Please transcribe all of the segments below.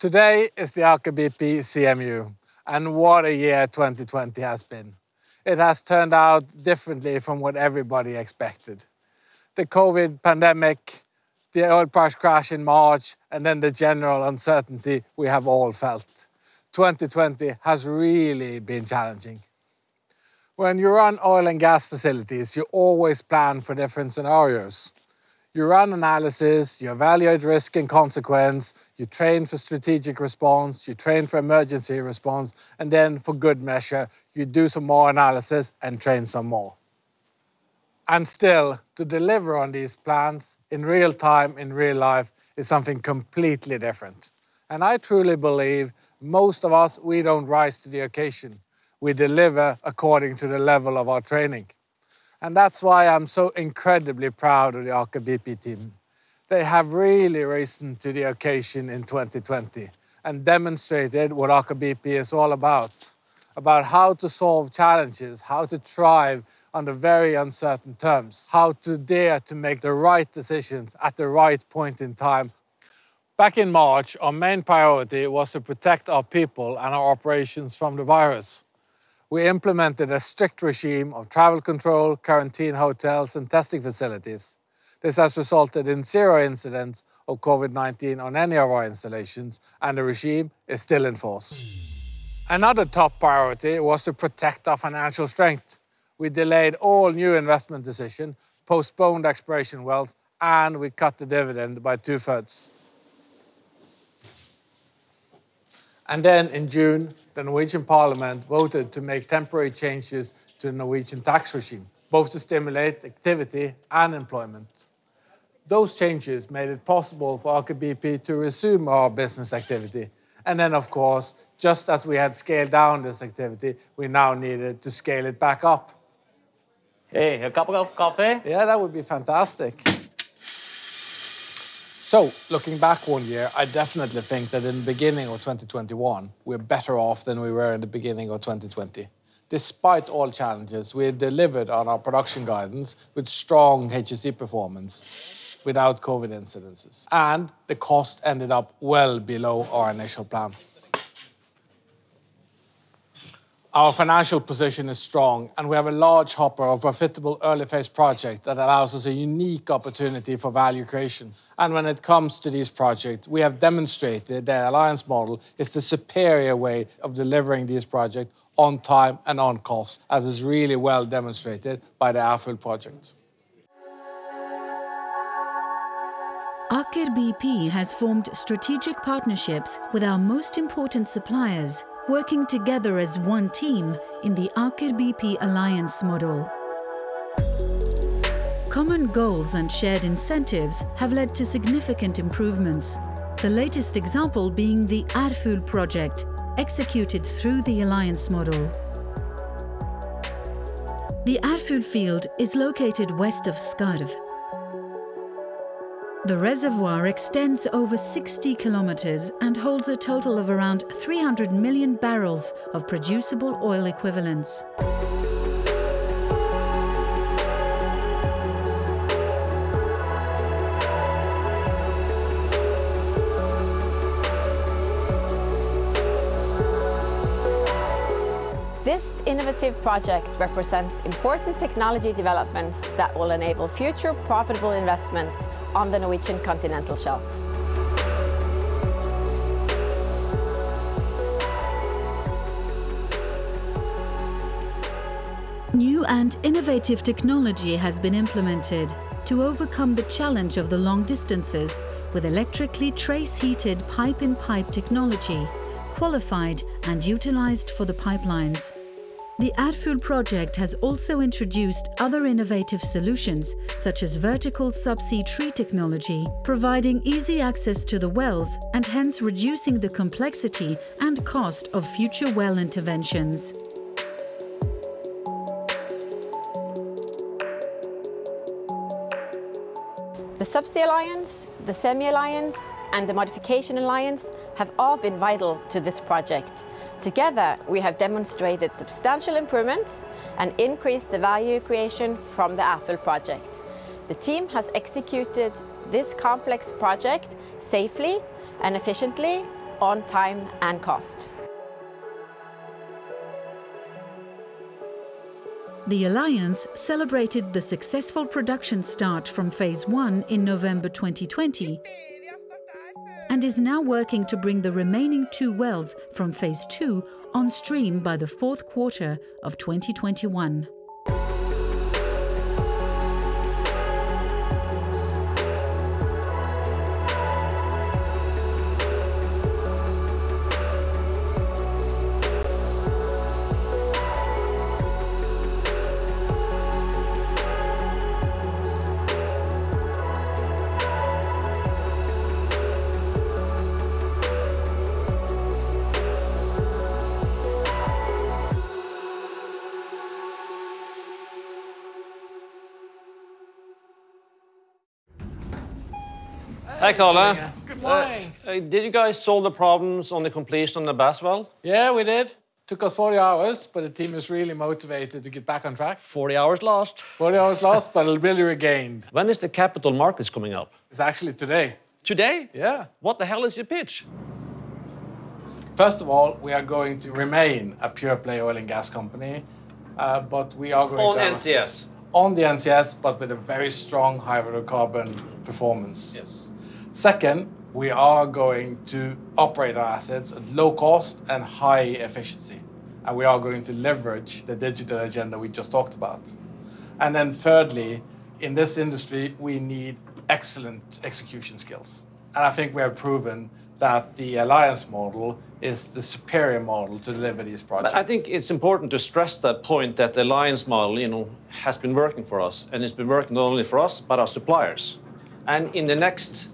Today is the Aker BP CMU. What a year 2020 has been. It has turned out differently from what everybody expected. The COVID pandemic, the oil price crash in March, and then the general uncertainty we have all felt. 2020 has really been challenging. When you run oil and gas facilities, you always plan for different scenarios. You run analysis, you evaluate risk and consequence, you train for strategic response, you train for emergency response, and then for good measure, you do some more analysis and train some more. Still, to deliver on these plans in real time, in real life, is something completely different, and I truly believe most of us, we don't rise to the occasion. We deliver according to the level of our training, and that's why I'm so incredibly proud of the Aker BP team. They have really risen to the occasion in 2020 and demonstrated what Aker BP is all about how to solve challenges, how to thrive under very uncertain terms, how to dare to make the right decisions at the right point in time. Back in March, our main priority was to protect our people and our operations from the virus. We implemented a strict regime of travel control, quarantine hotels, and testing facilities. This has resulted in zero incidents of COVID-19 on any of our installations, and the regime is still in force. Another top priority was to protect our financial strength. We delayed all new investment decisions, postponed exploration wells, and we cut the dividend by two-thirds. Then in June, the Norwegian Parliament voted to make temporary changes to the Norwegian tax regime, both to stimulate activity and employment. Those changes made it possible for Aker BP to resume our business activity. Of course, just as we had scaled down this activity, we now needed to scale it back up. Hey, a cup of coffee? Yeah, that would be fantastic. Looking back one year, I definitely think that in the beginning of 2021, we're better off than we were in the beginning of 2020. Despite all challenges, we had delivered on our production guidance with strong HSE performance, without COVID incidences, and the cost ended up well below our initial plan. Our financial position is strong, we have a large hopper of profitable early-phase project that allows us a unique opportunity for value creation. When it comes to these projects, we have demonstrated that alliance model is the superior way of delivering these projects on time and on cost, as is really well demonstrated by the Ærfugl projects. Aker BP has formed strategic partnerships with our most important suppliers, working together as one team in the Aker BP alliance model. Common goals and shared incentives have led to significant improvements, the latest example being the Ærfugl project, executed through the alliance model. The Ærfugl field is located west of Skarv. The reservoir extends over 60 km and holds a total of around 300 million barrels of producible oil equivalents. This innovative project represents important technology developments that will enable future profitable investments on the Norwegian Continental Shelf. New and innovative technology has been implemented to overcome the challenge of the long distances with electrically trace-heated pipe-in-pipe technology, qualified and utilized for the pipelines. The Ærfugl project has also introduced other innovative solutions, such as vertical subsea tree technology, providing easy access to the wells and hence reducing the complexity and cost of future well interventions. The Subsea Alliance, the Semi Alliance, and the Modification Alliance have all been vital to this project. Together, we have demonstrated substantial improvements and increased the value creation from the Ærfugl project. The team has executed this complex project safely and efficiently, on time and cost. The alliance celebrated the successful production start from phase I in November 2020 and is now working to bring the remaining two wells from phase II on stream by the fourth quarter of 2021. Hi, Karl. Good morning. Hey, did you guys solve the problems on the completion on the Bass well? Yeah, we did. Took us 40 hours, but the team is really motivated to get back on track. 40 hours lost. 40 hours lost, but it'll be regained. When is the capital markets coming up? It's actually today. Today? Yeah. What the hell is your pitch? First of all, we are going to remain a pure-play oil and gas company, but we are going to- On NCS on the NCS, but with a very strong hydrocarbon performance. Yes. Second, we are going to operate our assets at low cost and high efficiency, and we are going to leverage the digital agenda we just talked about. Thirdly, in this industry, we need excellent execution skills, and I think we have proven that the alliance model is the superior model to deliver these projects. I think it's important to stress that point, that the alliance model has been working for us, and it's been working not only for us but our suppliers. In the next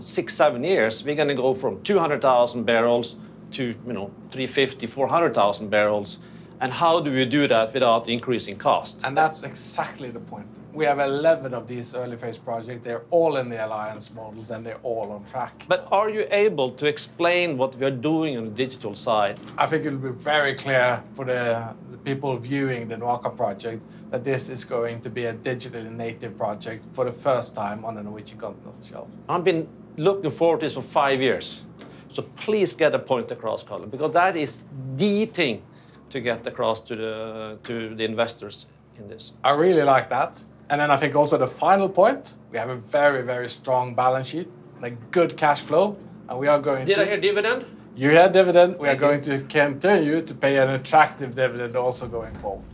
six, seven years, we're going to go from 200,000 barrels to 350,000, 400,000 barrels, and how do we do that without increasing cost? That's exactly the point. We have 11 of these early-phase projects. They're all in the alliance models, and they're all on track. Are you able to explain what we are doing on the digital side? I think it'll be very clear for the people viewing the NOAKA project that this is going to be a digitally native project for the first time on the Norwegian continental shelf. I've been looking forward to this for five years, so please get the point across, Karl, because that is the thing to get across to the investors in this. I really like that. Then I think also the final point, we have a very, very strong balance sheet, a good cash flow, and we are. Did I hear dividend? You heard dividend. Thank you. We are going to continue to pay an attractive dividend also going forward.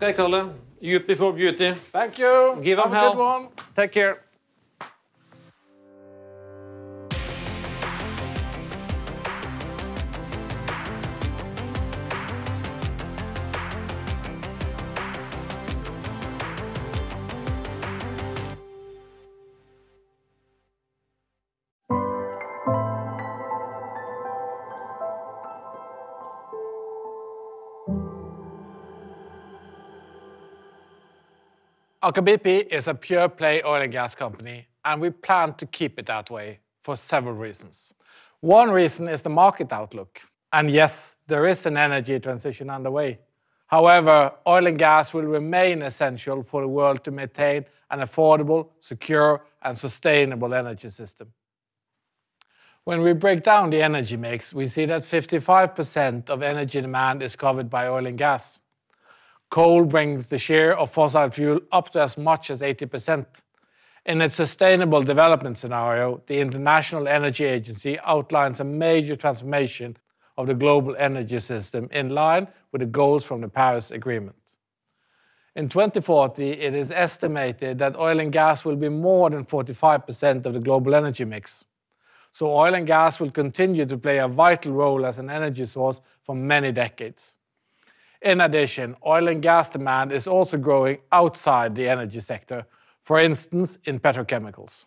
Okay, Karl. Beauty for beauty. Thank you. Give them hell. Have a good one. Take care. Aker BP is a pure-play oil and gas company, and we plan to keep it that way for several reasons. One reason is the market outlook. Yes, there is an energy transition underway. However, oil and gas will remain essential for the world to maintain an affordable, secure, and sustainable energy system. When we break down the energy mix, we see that 55% of energy demand is covered by oil and gas. Coal brings the share of fossil fuel up to as much as 80%. In a sustainable development scenario, the International Energy Agency outlines a major transformation of the global energy system in line with the goals from the Paris Agreement. In 2040, it is estimated that oil and gas will be more than 45% of the global energy mix. Oil and gas will continue to play a vital role as an energy source for many decades. In addition, oil and gas demand is also growing outside the energy sector, for instance, in petrochemicals.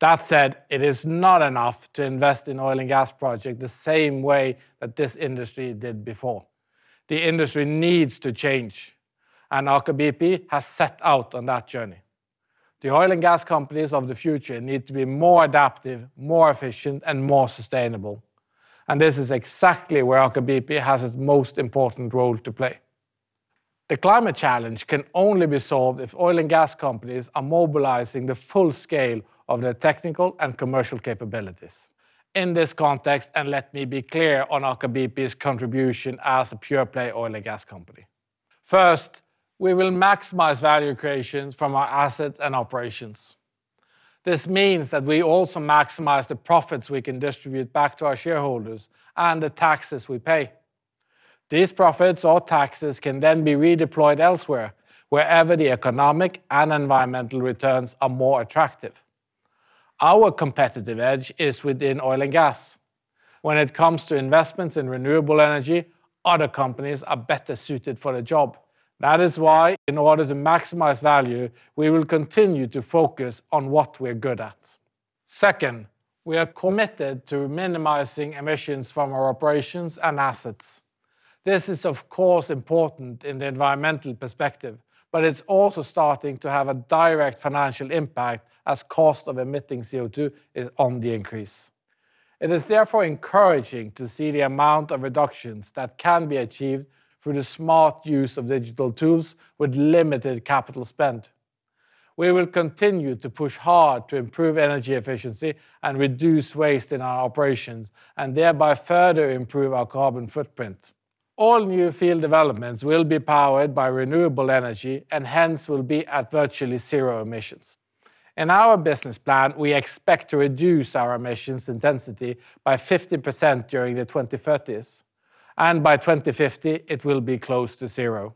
That said, it is not enough to invest in oil and gas projects the same way that this industry did before. The industry needs to change, and Aker BP has set out on that journey. The oil and gas companies of the future need to be more adaptive, more efficient, and more sustainable, and this is exactly where Aker BP has its most important role to play. The climate challenge can only be solved if oil and gas companies are mobilizing the full scale of their technical and commercial capabilities. In this context, let me be clear on Aker BP's contribution as a pure-play oil and gas company. First, we will maximize value creation from our assets and operations. This means that we also maximize the profits we can distribute back to our shareholders and the taxes we pay. These profits or taxes can then be redeployed elsewhere, wherever the economic and environmental returns are more attractive. Our competitive edge is within oil and gas. When it comes to investments in renewable energy, other companies are better suited for the job. That is why, in order to maximize value, we will continue to focus on what we're good at. Second, we are committed to minimizing emissions from our operations and assets. This is, of course, important in the environmental perspective, but it's also starting to have a direct financial impact as cost of emitting CO2 is on the increase. It is therefore encouraging to see the amount of reductions that can be achieved through the smart use of digital tools with limited capital spend. We will continue to push hard to improve energy efficiency and reduce waste in our operations, and thereby further improve our carbon footprint. All new field developments will be powered by renewable energy and hence will be at virtually zero emissions. In our business plan, we expect to reduce our emissions intensity by 50% during the 2030s, and by 2050, it will be close to zero.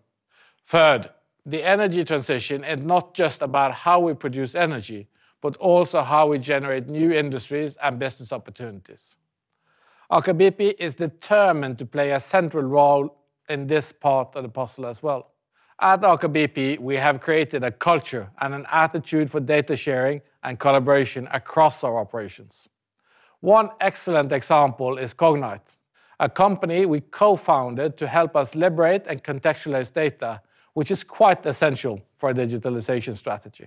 Third, the energy transition is not just about how we produce energy, but also how we generate new industries and business opportunities. Aker BP is determined to play a central role in this part of the puzzle as well. At Aker BP, we have created a culture and an attitude for data sharing and collaboration across our operations. One excellent example is Cognite, a company we co-founded to help us liberate and contextualize data, which is quite essential for a digitalization strategy.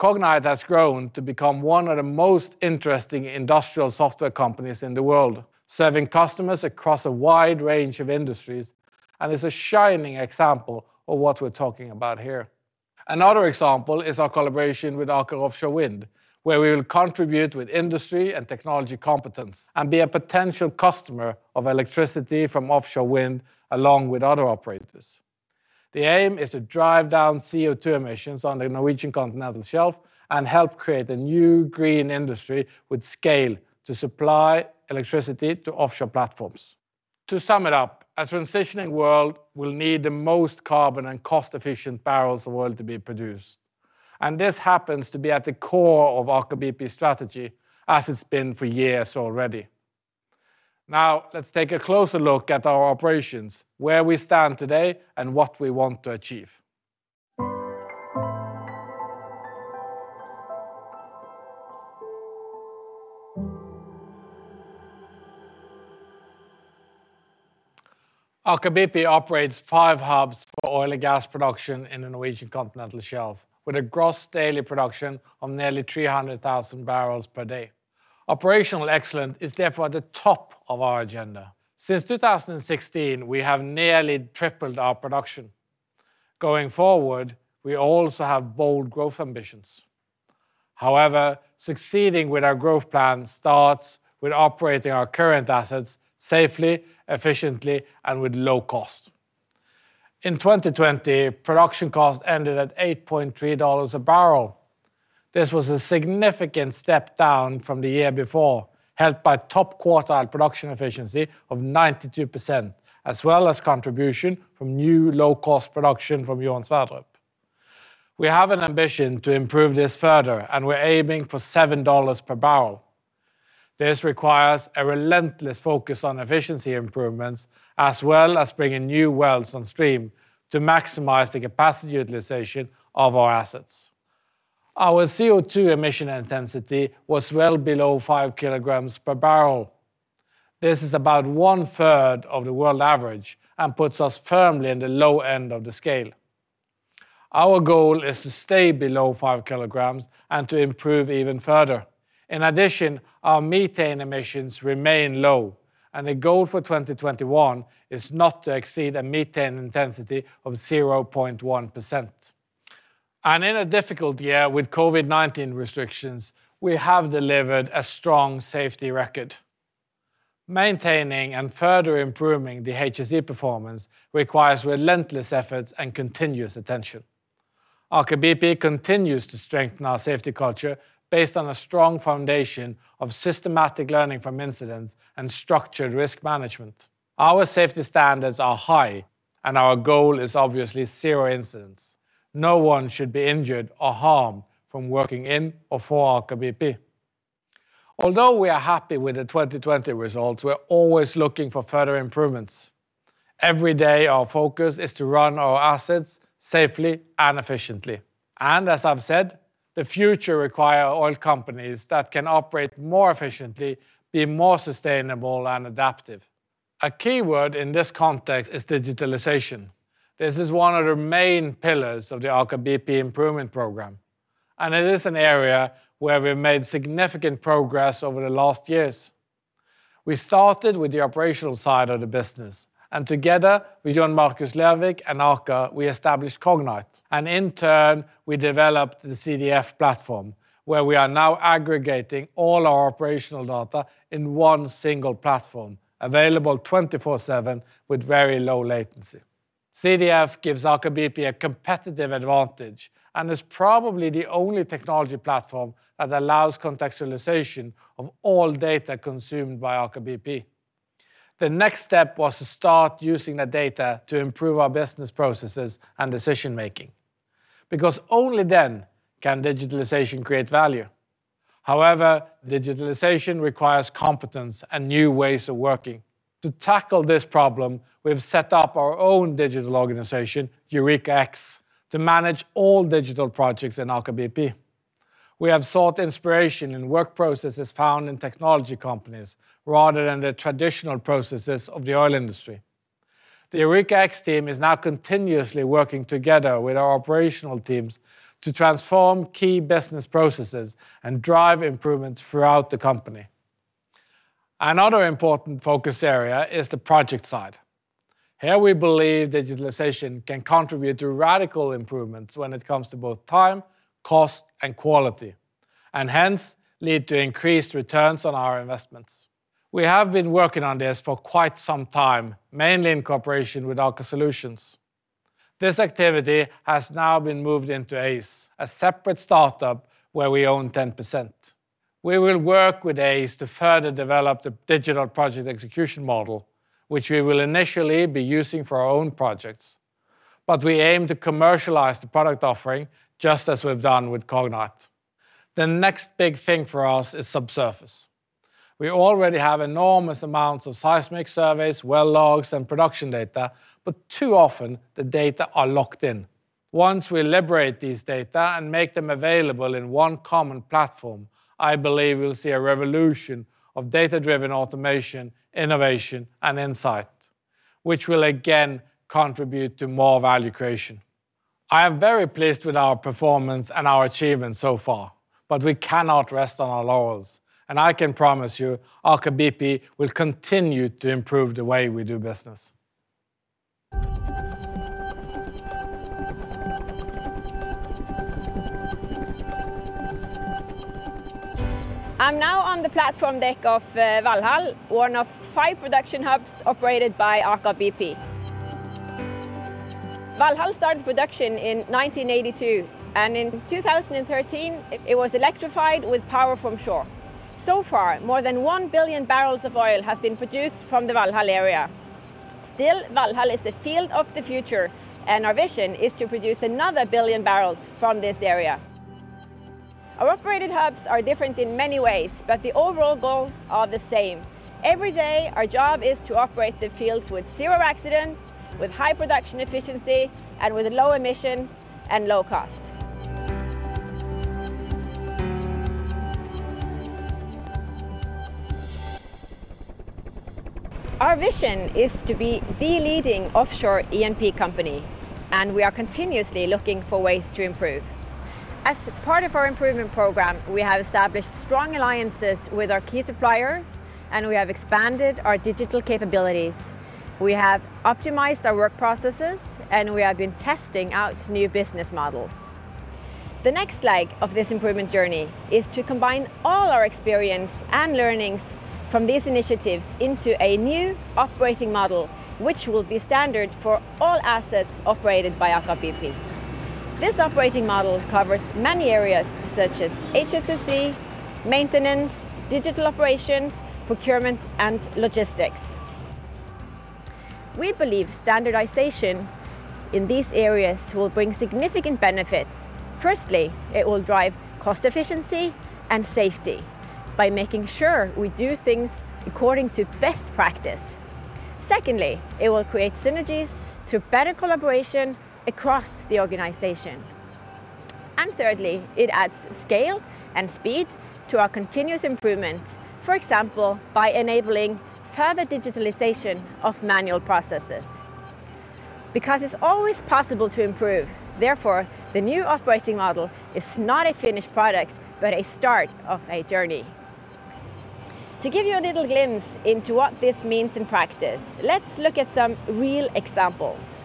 Cognite has grown to become one of the most interesting industrial software companies in the world, serving customers across a wide range of industries, and is a shining example of what we're talking about here. Another example is our collaboration with Aker Offshore Wind, where we will contribute with industry and technology competence and be a potential customer of electricity from offshore wind, along with other operators. The aim is to drive down CO2 emissions on the Norwegian Continental Shelf and help create a new green industry with scale to supply electricity to offshore platforms. To sum it up, a transitioning world will need the most carbon and cost-efficient barrels of oil to be produced. This happens to be at the core of Aker BP's strategy, as it's been for years already. Let's take a closer look at our operations, where we stand today, and what we want to achieve. Aker BP operates five hubs for oil and gas production in the Norwegian continental shelf, with a gross daily production of nearly 300,000 barrels per day. Operational excellence is therefore at the top of our agenda. Since 2016, we have nearly tripled our production. Going forward, we also have bold growth ambitions. Succeeding with our growth plan starts with operating our current assets safely, efficiently, and with low cost. In 2020, production cost ended at $8.30 per barrel. This was a significant step down from the year before, helped by top quartile production efficiency of 92%, as well as contribution from new low-cost production from Johan Sverdrup. We have an ambition to improve this further, and we're aiming for $7 per barrel. This requires a relentless focus on efficiency improvements, as well as bringing new wells on stream to maximize the capacity utilization of our assets. Our CO2 emission intensity was well below five kilograms per barrel. This is about one-third of the world average and puts us firmly in the low end of the scale. Our goal is to stay below five kilograms and to improve even further. In addition, our methane emissions remain low, and the goal for 2021 is not to exceed a methane intensity of 0.1%. In a difficult year with COVID-19 restrictions, we have delivered a strong safety record. Maintaining and further improving the HSE performance requires relentless efforts and continuous attention. Aker BP continues to strengthen our safety culture based on a strong foundation of systematic learning from incidents and structured risk management. Our safety standards are high, and our goal is obviously zero incidents. No one should be injured or harmed from working in or for Aker BP. Although we are happy with the 2020 results, we're always looking for further improvements. Every day, our focus is to run our assets safely and efficiently. As I've said, the future require oil companies that can operate more efficiently, be more sustainable, and adaptive. A key word in this context is digitalization. This is one of the main pillars of the Aker BP improvement program, and it is an area where we've made significant progress over the last years. We started with the operational side of the business, and together with John Markus Lervik and Aker, we established Cognite, and in turn, we developed the CDF platform where we are now aggregating all our operational data in one single platform available 24/7 with very low latency. CDF gives Aker BP a competitive advantage and is probably the only technology platform that allows contextualization of all data consumed by Aker BP. The next step was to start using the data to improve our business processes and decision-making because only then can digitalization create value. However, digitalization requires competence and new ways of working. To tackle this problem, we've set up our own digital organization, EurekaX, to manage all digital projects in Aker BP. We have sought inspiration in work processes found in technology companies rather than the traditional processes of the oil industry. The EurekaX team is now continuously working together with our operational teams to transform key business processes and drive improvements throughout the company. Another important focus area is the project side. Here, we believe digitalization can contribute to radical improvements when it comes to both time, cost, and quality, hence lead to increased returns on our investments. We have been working on this for quite some time, mainly in cooperation with Aker Solutions. This activity has now been moved into Aize, a separate startup where we own 10%. We will work with Aize to further develop the digital project execution model, which we will initially be using for our own projects. We aim to commercialize the product offering just as we've done with Cognite. The next big thing for us is subsurface. We already have enormous amounts of seismic surveys, well logs, and production data, but too often the data are locked in. Once we liberate this data and make them available in one common platform, I believe we'll see a revolution of data-driven automation, innovation, and insight, which will again contribute to more value creation. I am very pleased with our performance and our achievements so far. We cannot rest on our laurels, and I can promise you Aker BP will continue to improve the way we do business. I'm now on the platform deck of Valhall, one of five production hubs operated by Aker BP. Valhall started production in 1982, and in 2013, it was electrified with power from shore. So far, more than one billion barrels of oil has been produced from the Valhall area. Still, Valhall is a field of the future, and our vision is to produce another billion barrels from this area. Our operated hubs are different in many ways, but the overall goals are the same. Every day, our job is to operate the fields with zero accidents, with high production efficiency, and with low emissions and low cost. Our vision is to be the leading offshore E&P company, and we are continuously looking for ways to improve. As part of our improvement program, we have established strong alliances with our key suppliers, and we have expanded our digital capabilities. We have optimized our work processes, and we have been testing out new business models. The next leg of this improvement journey is to combine all our experience and learnings from these initiatives into a new operating model, which will be standard for all assets operated by Aker BP. This operating model covers many areas such as HSSE, maintenance, digital operations, procurement, and logistics. We believe standardization in these areas will bring significant benefits. Firstly, it will drive cost efficiency and safety by making sure we do things according to best practice. Secondly, it will create synergies through better collaboration across the organization. Thirdly, it adds scale and speed to our continuous improvement, for example, by enabling further digitalization of manual processes. It's always possible to improve, therefore, the new operating model is not a finished product but a start of a journey. To give you a little glimpse into what this means in practice, let's look at some real examples.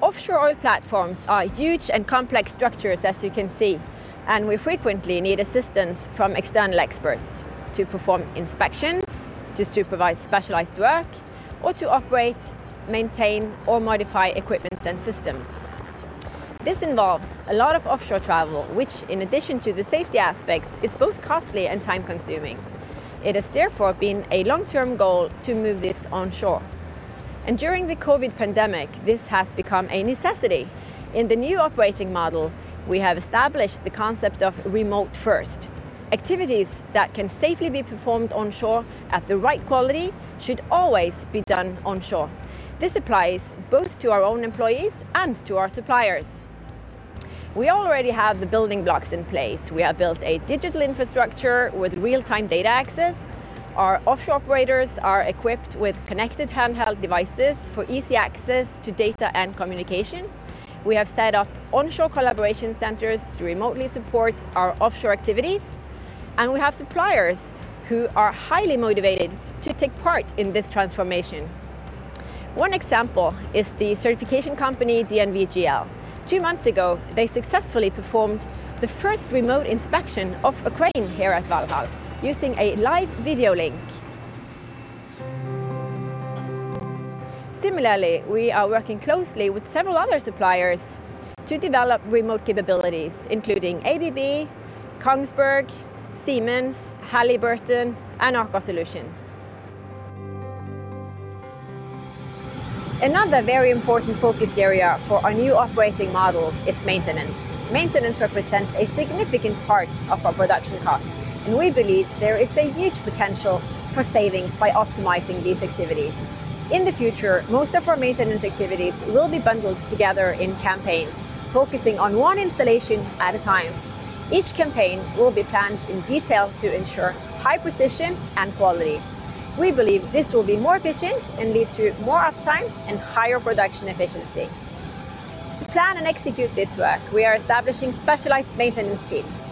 Offshore oil platforms are huge and complex structures as you can see, we frequently need assistance from external experts to perform inspections, to supervise specialized work, or to operate, maintain, or modify equipment and systems. This involves a lot of offshore travel, which in addition to the safety aspects, is both costly and time consuming. It has therefore been a long-term goal to move this onshore. During the COVID pandemic, this has become a necessity. In the new operating model, we have established the concept of remote first. Activities that can safely be performed onshore at the right quality should always be done onshore. This applies both to our own employees and to our suppliers. We already have the building blocks in place. We have built a digital infrastructure with real-time data access. Our offshore operators are equipped with connected handheld devices for easy access to data and communication. We have set up onshore collaboration centers to remotely support our offshore activities. We have suppliers who are highly motivated to take part in this transformation. One example is the certification company DNV GL. Two months ago, they successfully performed the first remote inspection of a crane here at Valhall using a live video link. Similarly, we are working closely with several other suppliers to develop remote capabilities, including ABB, Kongsberg, Siemens, Halliburton, and Aker Solutions. Another very important focus area for our new operating model is maintenance. Maintenance represents a significant part of our production cost, and we believe there is a huge potential for savings by optimizing these activities. In the future, most of our maintenance activities will be bundled together in campaigns focusing on one installation at a time. Each campaign will be planned in detail to ensure high precision and quality. We believe this will be more efficient and lead to more uptime and higher production efficiency. To plan and execute this work, we are establishing specialized maintenance teams.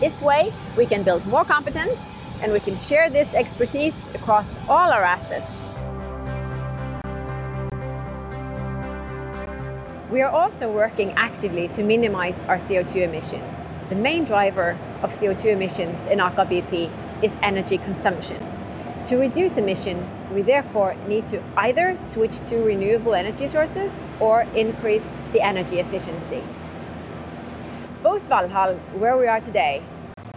This way, we can build more competence, and we can share this expertise across all our assets. We are also working actively to minimize our CO2 emissions. The main driver of CO2 emissions in Aker BP is energy consumption. To reduce emissions, we therefore need to either switch to renewable energy sources or increase the energy efficiency. Both Valhall, where we are today,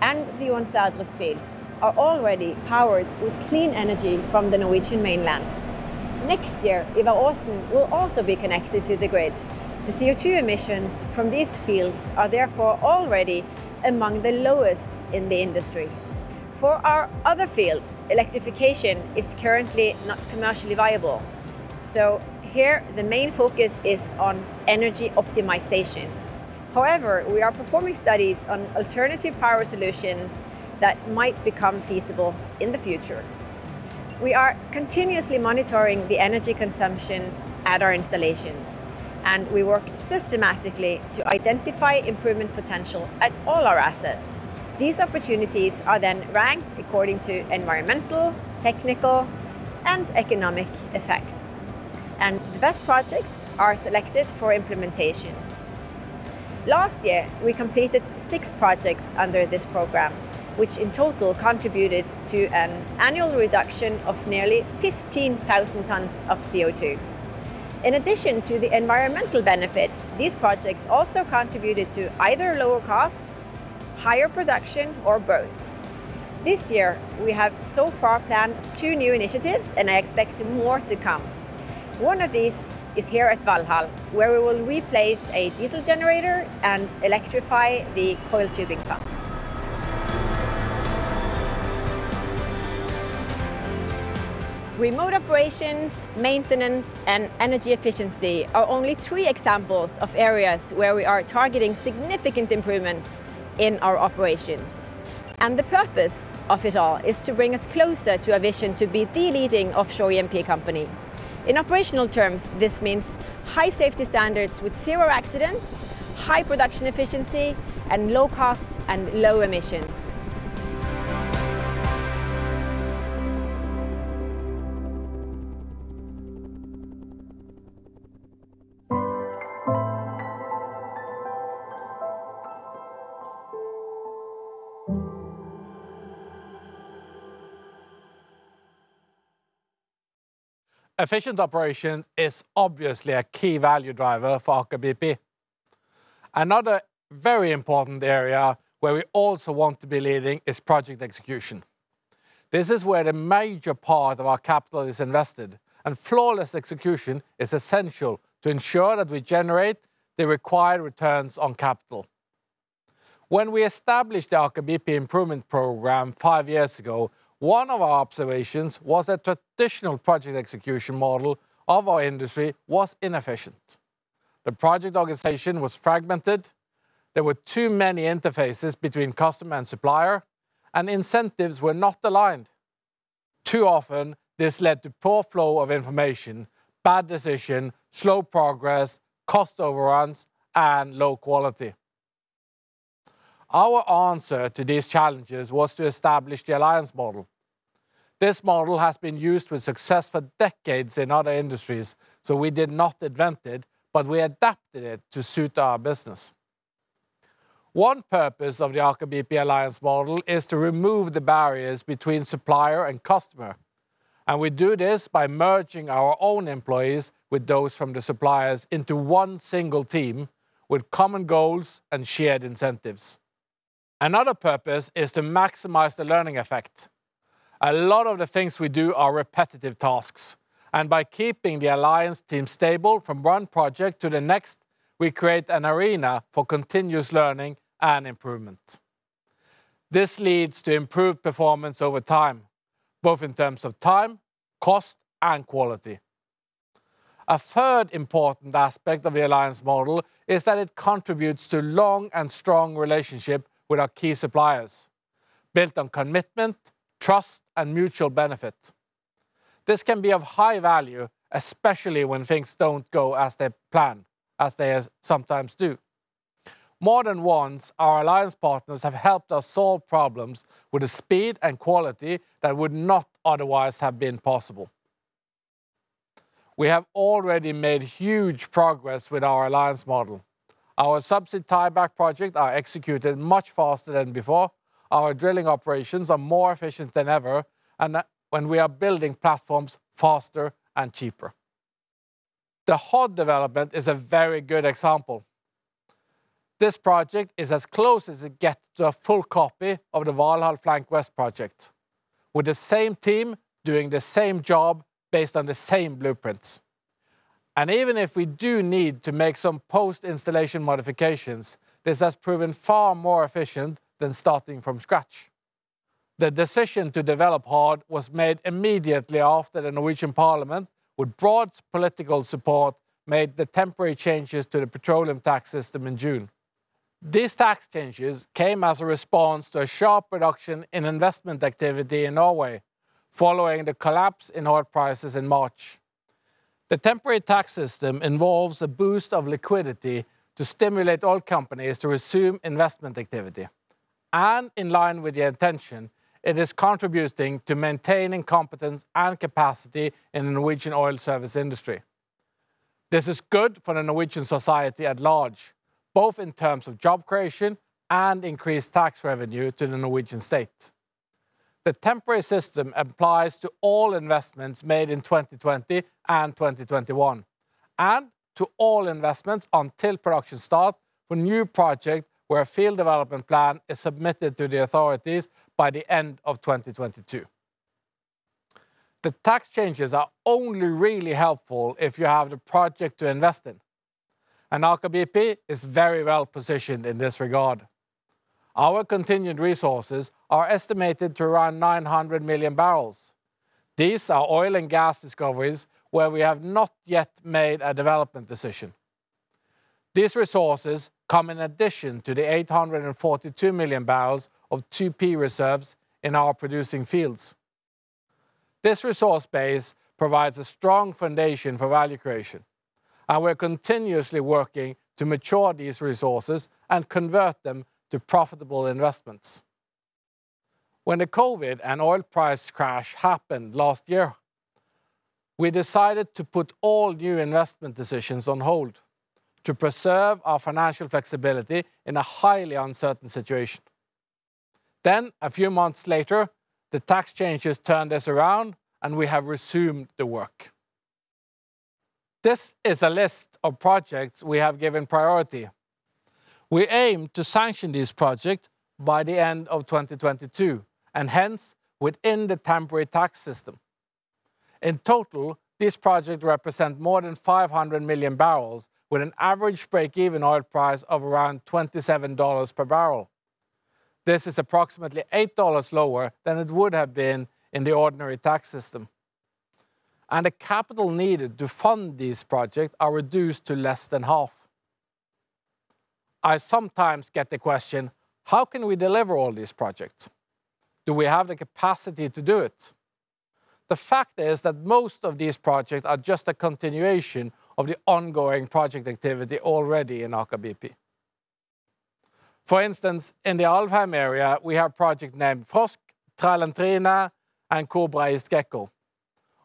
and the Johan Sverdrup field are already powered with clean energy from the Norwegian mainland. Next year, Ivar Aasen will also be connected to the grid. The CO2 emissions from these fields are therefore already among the lowest in the industry. For our other fields, electrification is currently not commercially viable, so here the main focus is on energy optimization. However, we are performing studies on alternative power solutions that might become feasible in the future. We are continuously monitoring the energy consumption at our installations, and we work systematically to identify improvement potential at all our assets. These opportunities are then ranked according to environmental, technical, and economic effects, and the best projects are selected for implementation. Last year, we completed six projects under this program, which in total contributed to an annual reduction of nearly 15,000 tons of CO2. In addition to the environmental benefits, these projects also contributed to either lower cost, higher production, or both. This year, we have so far planned two new initiatives, and I expect more to come. One of these is here at Valhall, where we will replace a diesel generator and electrify the coil tubing pump. Remote operations, maintenance, and energy efficiency are only three examples of areas where we are targeting significant improvements in our operations. The purpose of it all is to bring us closer to our vision to be the leading offshore E&P company. In operational terms, this means high safety standards with zero accidents, high production efficiency, and low cost and low emissions. Efficient operation is obviously a key value driver for Aker BP. Another very important area where we also want to be leading is project execution. This is where the major part of our capital is invested, and flawless execution is essential to ensure that we generate the required returns on capital. When we established the Aker BP Improvement Program five years ago, one of our observations was that traditional project execution model of our industry was inefficient. The project organization was fragmented, there were too many interfaces between customer and supplier, and incentives were not aligned. Too often, this led to poor flow of information, bad decision, slow progress, cost overruns, and low quality. Our answer to these challenges was to establish the alliance model. This model has been used with success for decades in other industries, so we did not invent it, but we adapted it to suit our business. One purpose of the Aker BP alliance model is to remove the barriers between supplier and customer, and we do this by merging our own employees with those from the suppliers into one single team with common goals and shared incentives. Another purpose is to maximize the learning effect. A lot of the things we do are repetitive tasks, and by keeping the alliance team stable from one project to the next, we create an arena for continuous learning and improvement. This leads to improved performance over time, both in terms of time, cost, and quality. A third important aspect of the alliance model is that it contributes to long and strong relationship with our key suppliers, built on commitment, trust, and mutual benefit. This can be of high value, especially when things don't go as they plan, as they sometimes do. More than once, our alliance partners have helped us solve problems with the speed and quality that would not otherwise have been possible. We have already made huge progress with our alliance model. Our subsea tieback project are executed much faster than before, our drilling operations are more efficient than ever, and we are building platforms faster and cheaper. The Hod development is a very good example. This project is as close as it gets to a full copy of the Valhall Flank West project, with the same team doing the same job based on the same blueprints. Even if we do need to make some post-installation modifications, this has proven far more efficient than starting from scratch. The decision to develop Hod was made immediately after the Norwegian Parliament, with broad political support, made the temporary changes to the petroleum tax system in June. These tax changes came as a response to a sharp reduction in investment activity in Norway following the collapse in oil prices in March. The temporary tax system involves a boost of liquidity to stimulate oil companies to resume investment activity. In line with the intention, it is contributing to maintaining competence and capacity in the Norwegian oil service industry. This is good for the Norwegian society at large, both in terms of job creation and increased tax revenue to the Norwegian state. The temporary system applies to all investments made in 2020 and 2021, and to all investments until production start for new project where a field development plan is submitted to the authorities by the end of 2022. The tax changes are only really helpful if you have the project to invest in, and Aker BP is very well positioned in this regard. Our contingent resources are estimated to around 900 million barrels. These are oil and gas discoveries where we have not yet made a development decision. These resources come in addition to the 842 million barrels of 2P reserves in our producing fields. This resource base provides a strong foundation for value creation, and we're continuously working to mature these resources and convert them to profitable investments. When the COVID and oil price crash happened last year, we decided to put all new investment decisions on hold to preserve our financial flexibility in a highly uncertain situation. A few months later, the tax changes turned this around, and we have resumed the work. This is a list of projects we have given priority. We aim to sanction this project by the end of 2022, hence, within the temporary tax system. In total, these projects represent more than 500 million barrels, with an average break-even oil price of around $27 per barrel. This is approximately $8 lower than it would have been in the ordinary tax system. The capital needed to fund these projects are reduced to less than half. I sometimes get the question: how can we deliver all these projects? Do we have the capacity to do it? The fact is that most of these projects are just a continuation of the ongoing project activity already in Aker BP. For instance, in the Alvheim area, we have project named Frosk, Trell and Trine, and Kobra East & Gekko.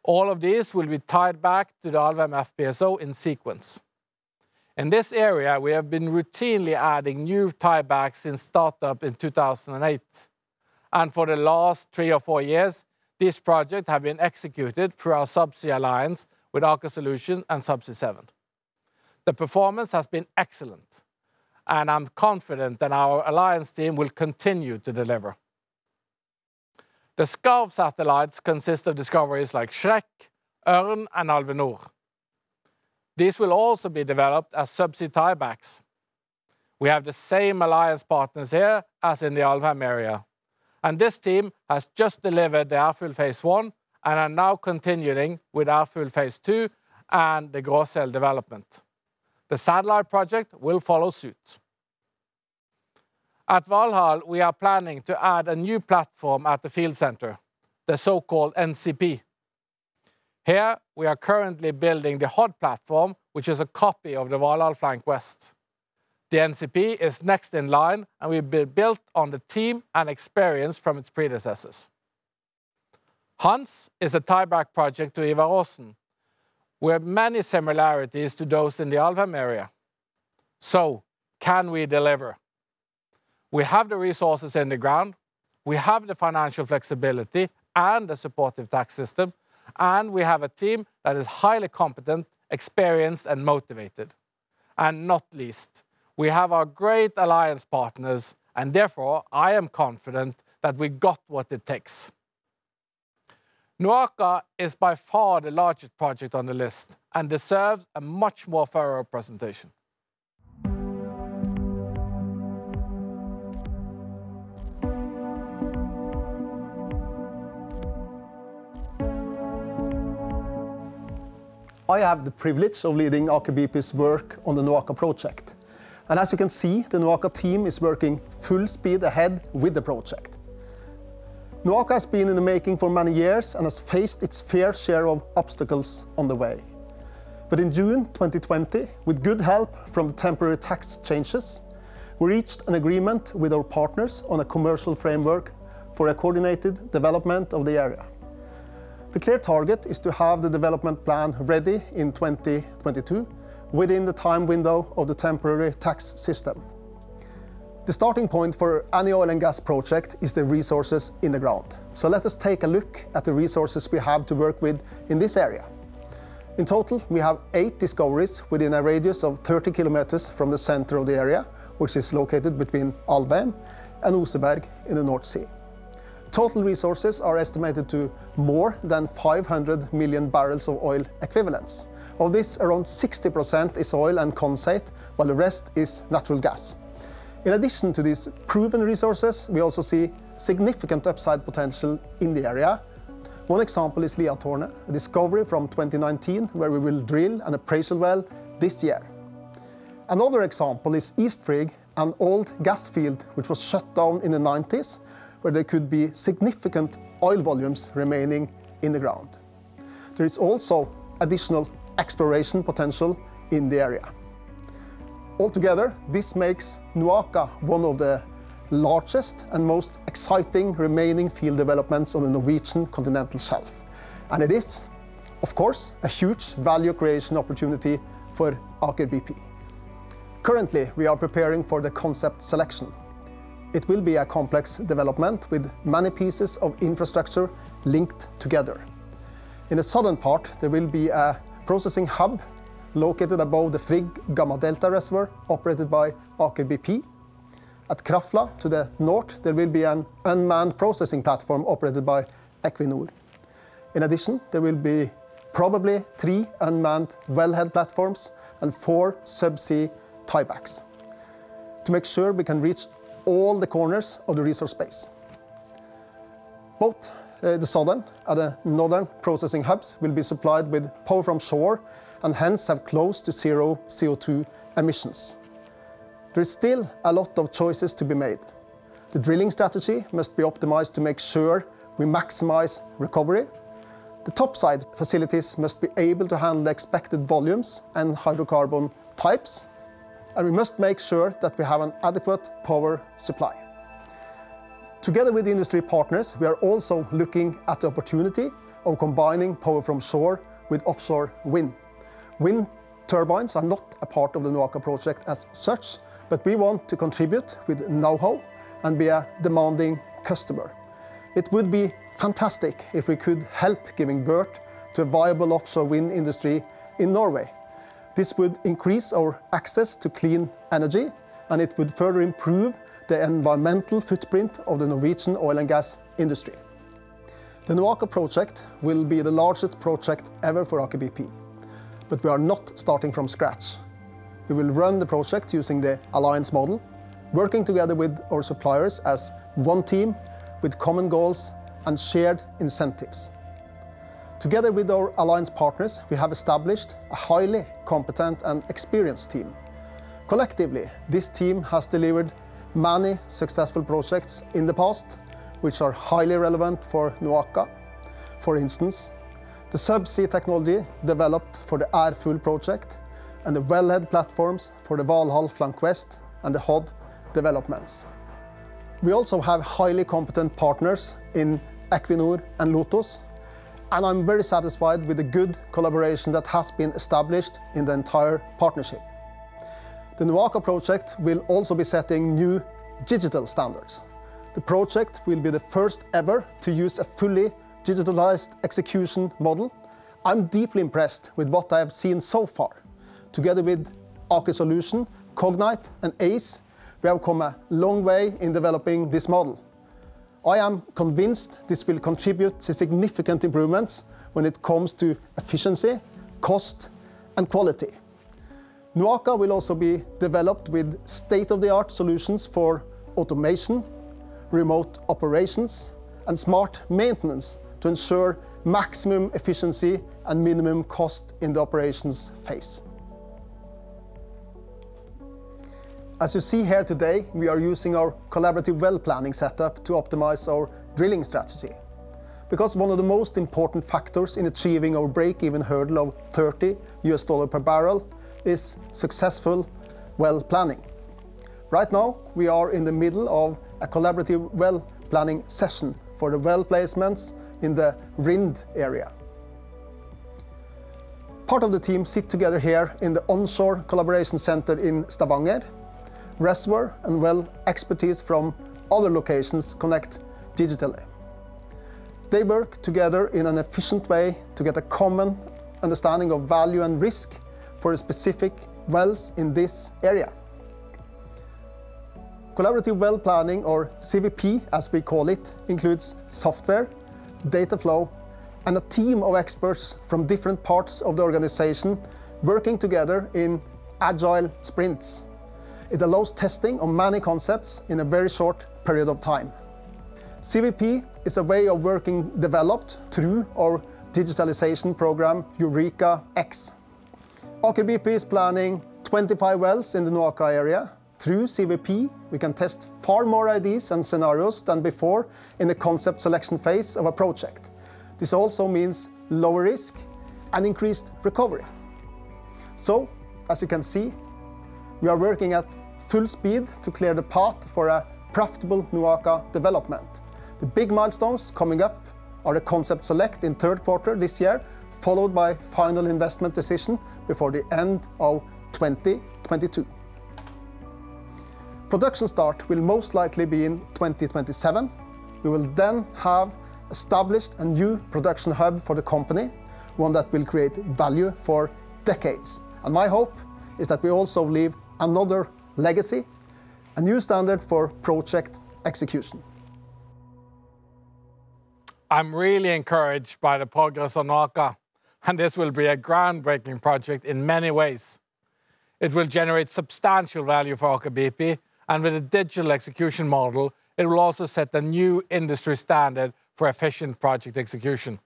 All of these will be tied back to the Alvheim FPSO in sequence. In this area, we have been routinely adding new tiebacks since startup in 2008. For the last three or four years, these projects have been executed through our subsea alliance with Aker Solutions and Subsea 7. The performance has been excellent, and I'm confident that our alliance team will continue to deliver. The Skarv satellites consist of discoveries like Shrek, Ørn, and Alve Nord. These will also be developed as subsea tiebacks. We have the same alliance partners here as in the Alvheim area, and this team has just delivered the Ærfugl Phase I and are now continuing with Ærfugl Phase II and the Gråsel development. The satellite project will follow suit. At Valhall, we are planning to add a new platform at the field center, the so-called NCP. Here we are currently building the Hod platform, which is a copy of the Valhall Flank West. The NCP is next in line, and will be built on the team and experience from its predecessors. NOAKA is a tieback project to Ivar Aasen, with many similarities to those in the Alvheim area. Can we deliver? We have the resources in the ground, we have the financial flexibility, and a supportive tax system, and we have a team that is highly competent, experienced, and motivated. Not least, we have our great alliance partners, and therefore, I am confident that we got what it takes. NOAKA is by far the largest project on the list and deserves a much more thorough presentation. I have the privilege of leading Aker BP's work on the NOAKA project. As you can see, the NOAKA team is working full speed ahead with the project. NOAKA has been in the making for many years and has faced its fair share of obstacles on the way. In June 2020, with good help from temporary tax changes, we reached an agreement with our partners on a commercial framework for a coordinated development of the area. The clear target is to have the development plan ready in 2022 within the time window of the temporary tax system. The starting point for any oil and gas project is the resources in the ground. Let us take a look at the resources we have to work with in this area. In total, we have eight discoveries within a radius of 30 kilometers from the center of the area, which is located between Alvheim and Oseberg in the North Sea. Total resources are estimated to more than 500 million barrels of oil equivalents. Of this, around 60% is oil and condensate, while the rest is natural gas. In addition to these proven resources, we also see significant upside potential in the area. One example is Liatårnet, a discovery from 2019 where we will drill an appraisal well this year. Another example is East Frigg, an old gas field which was shut down in the '90s, where there could be significant oil volumes remaining in the ground. There is also additional exploration potential in the area. Altogether, this makes NOAKA one of the largest and most exciting remaining field developments on the Norwegian Continental Shelf, and it is, of course, a huge value creation opportunity for Aker BP. Currently, we are preparing for the concept selection. It will be a complex development with many pieces of infrastructure linked together. In the southern part, there will be a processing hub located above the Frigg Gamma Delta reservoir operated by Aker BP. At Krafla to the north, there will be an unmanned processing platform operated by Equinor. In addition, there will be probably three unmanned wellhead platforms and four subsea tiebacks to make sure we can reach all the corners of the resource space. Both the southern and the northern processing hubs will be supplied with power from shore, and hence have close to zero CO2 emissions. There is still a lot of choices to be made. The drilling strategy must be optimized to make sure we maximize recovery. The topside facilities must be able to handle expected volumes and hydrocarbon types, and we must make sure that we have an adequate power supply. Together with industry partners, we are also looking at the opportunity of combining power from shore with offshore wind. Wind turbines are not a part of the NOAKA project as such, but we want to contribute with knowhow and be a demanding customer. It would be fantastic if we could help giving birth to a viable offshore wind industry in Norway. This would increase our access to clean energy, and it would further improve the environmental footprint of the Norwegian oil and gas industry. The NOAKA project will be the largest project ever for Aker BP, but we are not starting from scratch. We will run the project using the alliance model, working together with our suppliers as one team with common goals and shared incentives. Together with our alliance partners, we have established a highly competent and experienced team. Collectively, this team has delivered many successful projects in the past, which are highly relevant for NOAKA. For instance, the subsea technology developed for the Ærfugl project and the wellhead platforms for the Valhall Flank West and the Hod developments. We also have highly competent partners in Equinor and Lotos, I'm very satisfied with the good collaboration that has been established in the entire partnership. The NOAKA project will also be setting new digital standards. The project will be the first ever to use a fully digitalized execution model. I'm deeply impressed with what I have seen so far. Together with Aker Solutions, Cognite, and Aize, we have come a long way in developing this model. I am convinced this will contribute to significant improvements when it comes to efficiency, cost, and quality. NOAKA will also be developed with state-of-the-art solutions for automation, remote operations, and smart maintenance to ensure maximum efficiency and minimum cost in the operations phase. As you see here today, we are using our collaborative well planning setup to optimize our drilling strategy, because one of the most important factors in achieving our break-even hurdle of $30 per barrel is successful well planning. Right now, we are in the middle of a collaborative well planning session for the well placements in the Rind area. Part of the team sit together here in the onshore collaboration center in Stavanger. Reservoir and well expertise from other locations connect digitally. They work together in an efficient way to get a common understanding of value and risk for specific wells in this area. Collaborative Well Planning, or CWP as we call it, includes software, data flow, and a team of experts from different parts of the organization working together in agile sprints. It allows testing of many concepts in a very short period of time. CWP is a way of working developed through our digitalization program, EurekaX. Aker BP is planning 25 wells in the NOAKA area. Through CWP, we can test far more ideas and scenarios than before in the concept selection phase of a project. This also means lower risk and increased recovery. As you can see, we are working at full speed to clear the path for a profitable NOAKA development. The big milestones coming up are the concept select in third quarter this year, followed by final investment decision before the end of 2022. Production start will most likely be in 2027. We will then have established a new production hub for the company, one that will create value for decades. My hope is that we also leave another legacy, a new standard for project execution. I'm really encouraged by the progress on NOAKA, and this will be a groundbreaking project in many ways. It will generate substantial value for Aker BP, and with a digital execution model, it will also set the new industry standard for efficient project execution.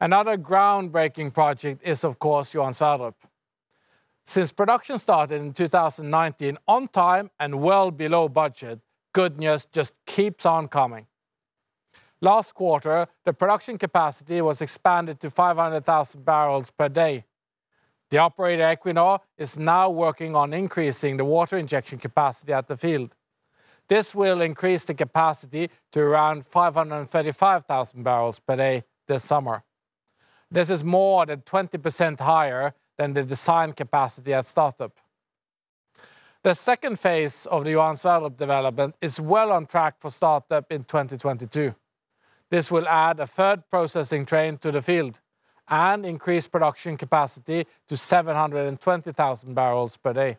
Another groundbreaking project is, of course, Johan Sverdrup. Since production started in 2019 on time and well below budget, good news just keeps on coming. Last quarter, the production capacity was expanded to 500,000 barrels per day. The operator, Equinor, is now working on increasing the water injection capacity at the field. This will increase the capacity to around 535,000 barrels per day this summer. This is more than 20% higher than the design capacity at startup. The second phase of the Johan Sverdrup development is well on track for startup in 2022. This will add a third processing train to the field and increase production capacity to 720,000 barrels per day.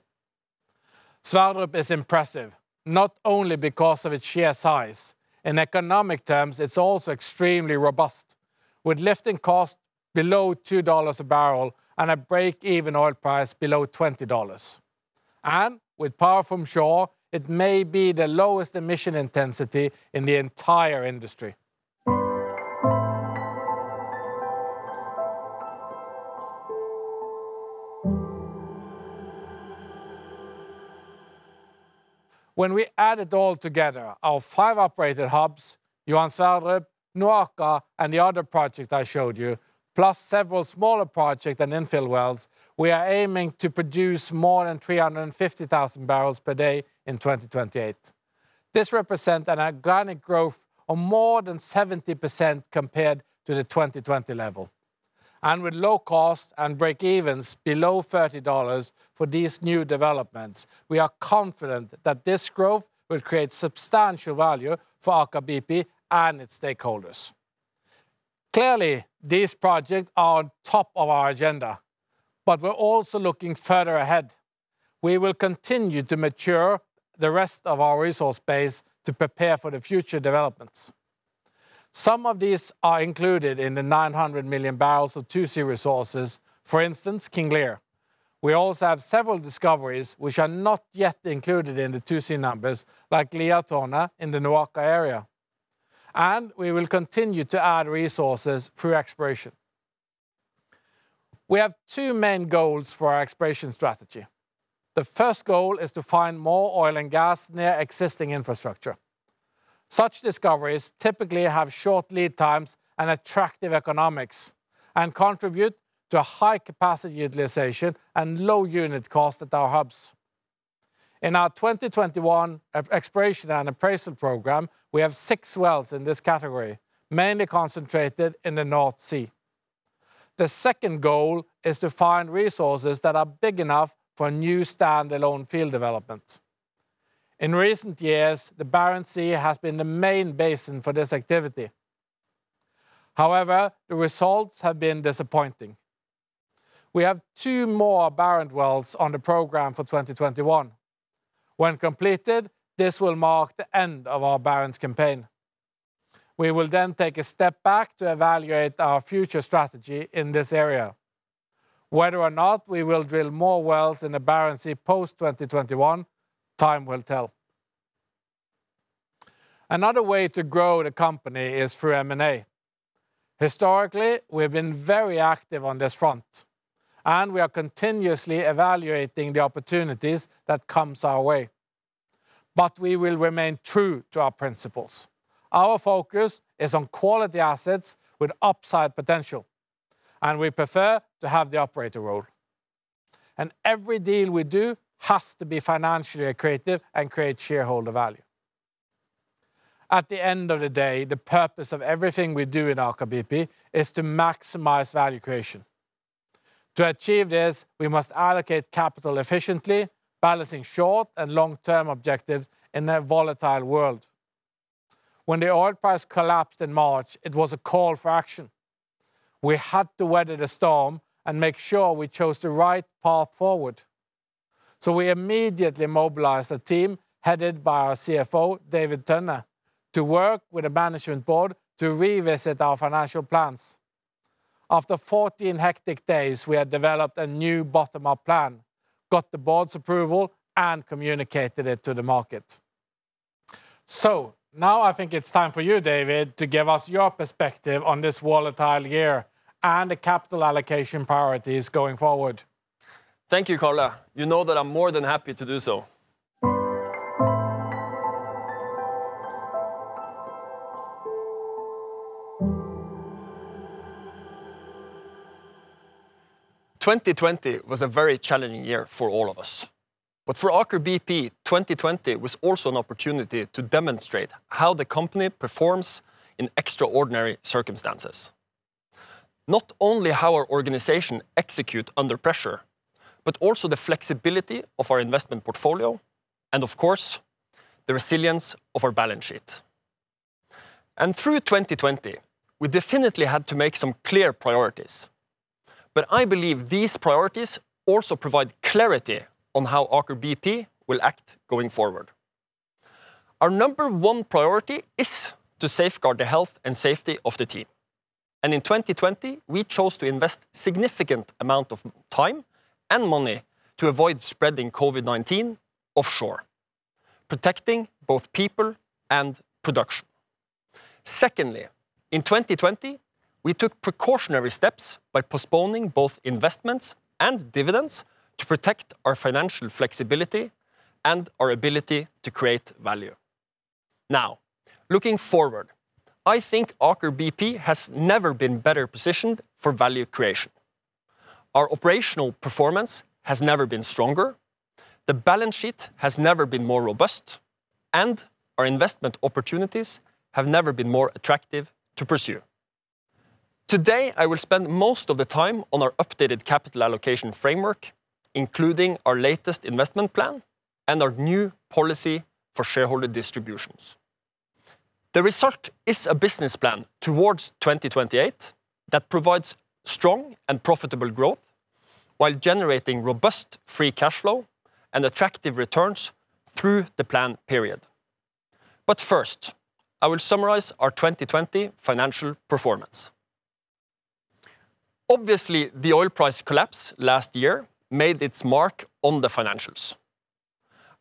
Sverdrup is impressive, not only because of its sheer size. In economic terms, it's also extremely robust, with lifting costs below $2 a barrel and a break-even oil price below $20. With power from shore, it may be the lowest emission intensity in the entire industry. When we add it all together, our five operated hubs, Johan Sverdrup, NOAKA, and the other project I showed you, plus several smaller projects and infill wells, we are aiming to produce more than 350,000 barrels per day in 2028. This represent an organic growth of more than 70% compared to the 2020 level. With low cost and breakevens below $30 for these new developments, we are confident that this growth will create substantial value for Aker BP and its stakeholders. Clearly, these projects are on top of our agenda, but we're also looking further ahead. We will continue to mature the rest of our resource base to prepare for the future developments. Some of these are included in the 900 million barrels of 2C resources, for instance, King Lear. We also have several discoveries which are not yet included in the 2C numbers, like Liatårnet in the NOAKA area. We will continue to add resources through exploration. We have two main goals for our exploration strategy. The first goal is to find more oil and gas near existing infrastructure. Such discoveries typically have short lead times and attractive economics and contribute to high capacity utilization and low unit cost at our hubs. In our 2021 exploration and appraisal program, we have six wells in this category, mainly concentrated in the North Sea. The second goal is to find resources that are big enough for new standalone field developments. In recent years, the Barents Sea has been the main basin for this activity. The results have been disappointing. We have two more Barents wells on the program for 2021. When completed, this will mark the end of our Barents campaign. We will take a step back to evaluate our future strategy in this area. Whether or not we will drill more wells in the Barents Sea post-2021, time will tell. Another way to grow the company is through M&A. Historically, we've been very active on this front, and we are continuously evaluating the opportunities that comes our way, but we will remain true to our principles. Our focus is on quality assets with upside potential, and we prefer to have the operator role. Every deal we do has to be financially accretive and create shareholder value. At the end of the day, the purpose of everything we do in Aker BP is to maximize value creation. To achieve this, we must allocate capital efficiently, balancing short and long-term objectives in a volatile world. When the oil price collapsed in March, it was a call for action. We had to weather the storm and make sure we chose the right path forward. We immediately mobilized a team headed by our CFO, David Tønne, to work with the management board to revisit our financial plans. After 14 hectic days, we had developed a new bottom-up plan, got the board's approval, and communicated it to the market. Now I think it's time for you, David, to give us your perspective on this volatile year and the capital allocation priorities going forward. Thank you, Karl. You know that I'm more than happy to do so. 2020 was a very challenging year for all of us. For Aker BP, 2020 was also an opportunity to demonstrate how the company performs in extraordinary circumstances. Not only how our organization execute under pressure, but also the flexibility of our investment portfolio, and of course, the resilience of our balance sheet. Through 2020, we definitely had to make some clear priorities, but I believe these priorities also provide clarity on how Aker BP will act going forward. Our number one priority is to safeguard the health and safety of the team. In 2020, we chose to invest significant amount of time and money to avoid spreading COVID-19 offshore, protecting both people and production. In 2020, we took precautionary steps by postponing both investments and dividends to protect our financial flexibility and our ability to create value. Looking forward, I think Aker BP has never been better positioned for value creation. Our operational performance has never been stronger, the balance sheet has never been more robust, and our investment opportunities have never been more attractive to pursue. Today, I will spend most of the time on our updated capital allocation framework, including our latest investment plan and our new policy for shareholder distributions. The result is a business plan towards 2028 that provides strong and profitable growth while generating robust free cash flow and attractive returns through the plan period. First, I will summarize our 2020 financial performance. Obviously, the oil price collapse last year made its mark on the financials.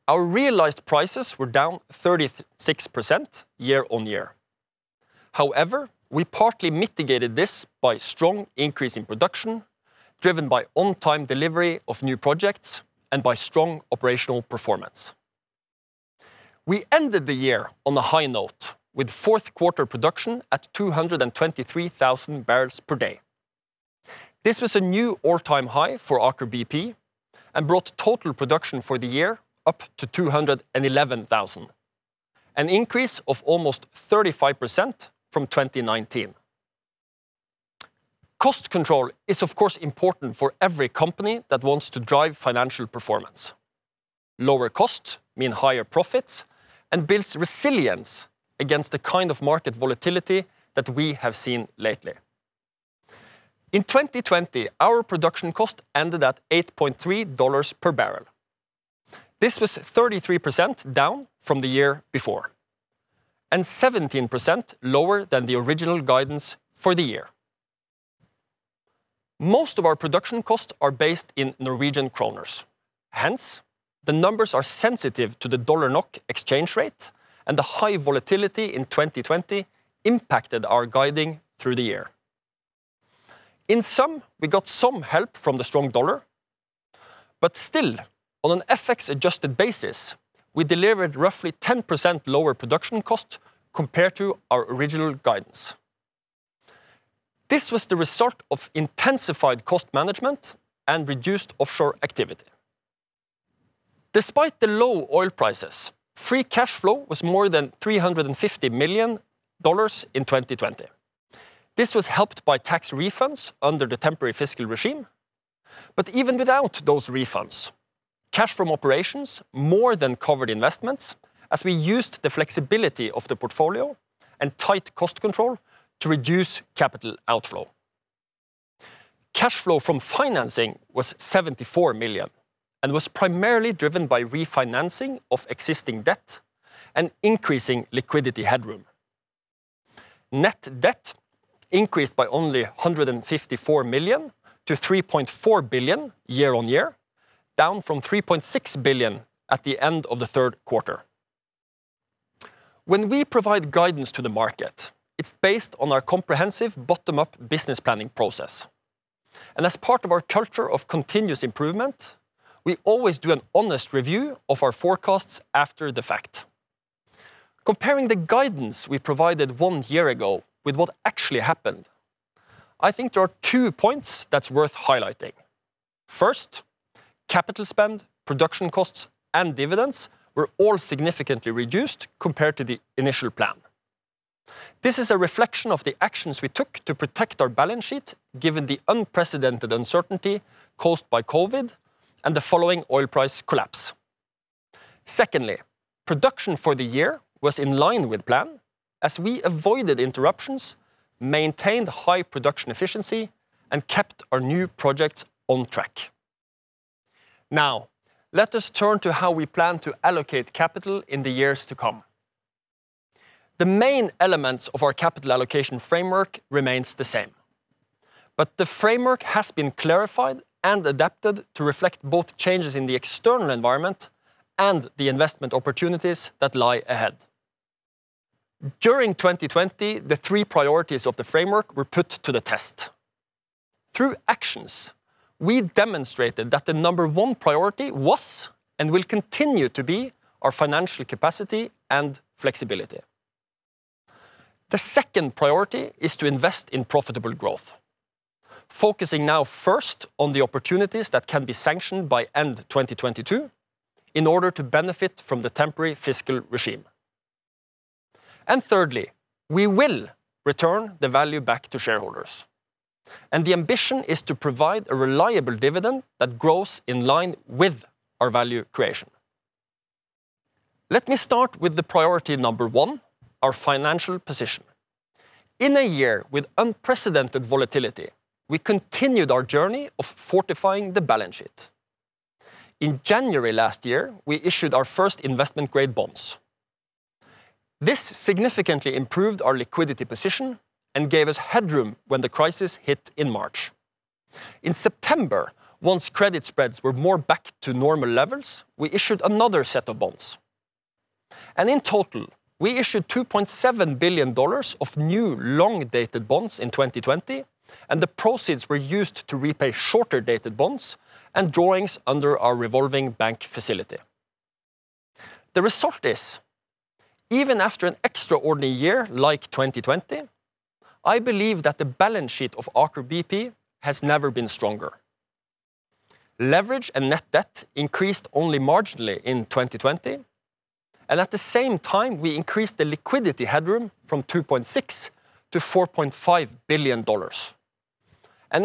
Our realized prices were down 36% year-on-year. However, we partly mitigated this by strong increase in production, driven by on-time delivery of new projects, and by strong operational performance. We ended the year on a high note with fourth quarter production at 223,000 barrels per day. This was a new all-time high for Aker BP and brought total production for the year up to 211,000, an increase of almost 35% from 2019. Cost control is, of course, important for every company that wants to drive financial performance. Lower costs mean higher profits and builds resilience against the kind of market volatility that we have seen lately. In 2020, our production cost ended at $8.30 per barrel. This was 33% down from the year before, and 17% lower than the original guidance for the year. Most of our production costs are based in Norwegian kroner. The numbers are sensitive to the dollar-NOK exchange rate, and the high volatility in 2020 impacted our guiding through the year. We got some help from the strong dollar. Still, on an FX-adjusted basis, we delivered roughly 10% lower production cost compared to our original guidance. This was the result of intensified cost management and reduced offshore activity. Despite the low oil prices, free cash flow was more than $350 million in 2020. This was helped by tax refunds under the temporary fiscal regime. Even without those refunds, cash from operations more than covered investments as we used the flexibility of the portfolio and tight cost control to reduce capital outflow. Cash flow from financing was $74 million and was primarily driven by refinancing of existing debt and increasing liquidity headroom. Net debt increased by only 154 million-3.4 billion year-on-year, down from 3.6 billion at the end of the third quarter. When we provide guidance to the market, it's based on our comprehensive bottom-up business planning process. As part of our culture of continuous improvement, we always do an honest review of our forecasts after the fact. Comparing the guidance we provided one year ago with what actually happened, I think there are two points that's worth highlighting. First, capital spend, production costs, and dividends were all significantly reduced compared to the initial plan. This is a reflection of the actions we took to protect our balance sheet, given the unprecedented uncertainty caused by COVID and the following oil price collapse. Secondly, production for the year was in line with plan as we avoided interruptions, maintained high production efficiency, and kept our new projects on track. Now, let us turn to how we plan to allocate capital in the years to come. The main elements of our capital allocation framework remains the same. The framework has been clarified and adapted to reflect both changes in the external environment and the investment opportunities that lie ahead. During 2020, the three priorities of the framework were put to the test. Through actions, we demonstrated that the number one priority was and will continue to be our financial capacity and flexibility. The second priority is to invest in profitable growth, focusing now first on the opportunities that can be sanctioned by end 2022 in order to benefit from the temporary fiscal regime. Thirdly, we will return the value back to shareholders, and the ambition is to provide a reliable dividend that grows in line with our value creation. Let me start with the priority number one, our financial position. In a year with unprecedented volatility, we continued our journey of fortifying the balance sheet. In January last year, we issued our first investment-grade bonds. This significantly improved our liquidity position and gave us headroom when the crisis hit in March. In September, once credit spreads were more back to normal levels, we issued another set of bonds. In total, we issued $2.7 billion of new long-dated bonds in 2020, and the proceeds were used to repay shorter-dated bonds and drawings under our revolving bank facility. The result is, even after an extraordinary year like 2020, I believe that the balance sheet of Aker BP has never been stronger. Leverage and net debt increased only marginally in 2020, and at the same time, we increased the liquidity headroom from $2.6 billion-$4.5 billion.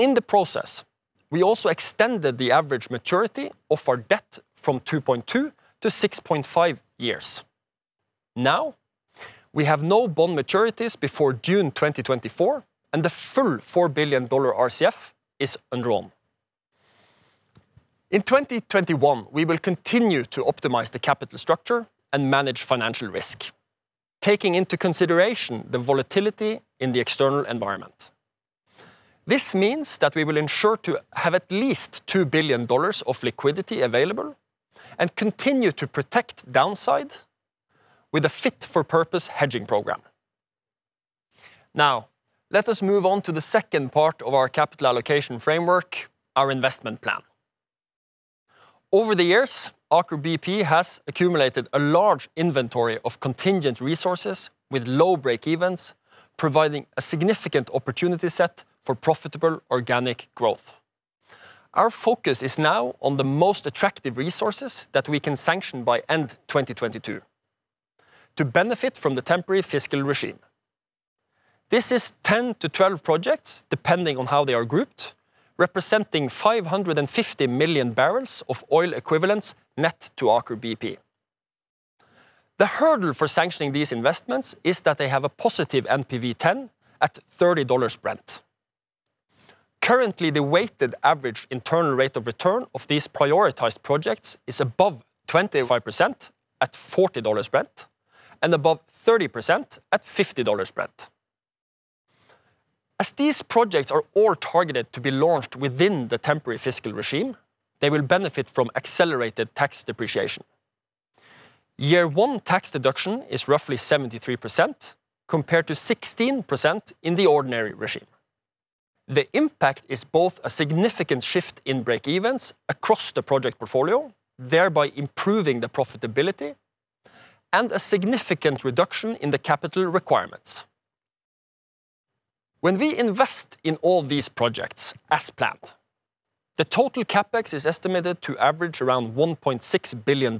In the process, we also extended the average maturity of our debt from 2.2 years-6.5 years. We have no bond maturities before June 2024, and the full $4 billion RCF is undrawn. In 2021, we will continue to optimize the capital structure and manage financial risk, taking into consideration the volatility in the external environment. This means that we will ensure to have at least $2 billion of liquidity available and continue to protect downside with a fit for purpose hedging program. Let us move on to the second part of our capital allocation framework, our investment plan. Over the years, Aker BP has accumulated a large inventory of contingent resources with low breakevens, providing a significant opportunity set for profitable organic growth. Our focus is now on the most attractive resources that we can sanction by end 2022, to benefit from the temporary fiscal regime. This is 10-12 projects, depending on how they are grouped, representing 550 million barrels of oil equivalents net to Aker BP. The hurdle for sanctioning these investments is that they have a positive NPV10 at $30 Brent. Currently, the weighted average internal rate of return of these prioritized projects is above 25% at $40 Brent and above 30% at $50 Brent. As these projects are all targeted to be launched within the temporary fiscal regime, they will benefit from accelerated tax depreciation. Year one tax deduction is roughly 73% compared to 16% in the ordinary regime. The impact is both a significant shift in breakevens across the project portfolio, thereby improving the profitability, and a significant reduction in the capital requirements. When we invest in all these projects as planned, the total CapEx is estimated to average around $1.6 billion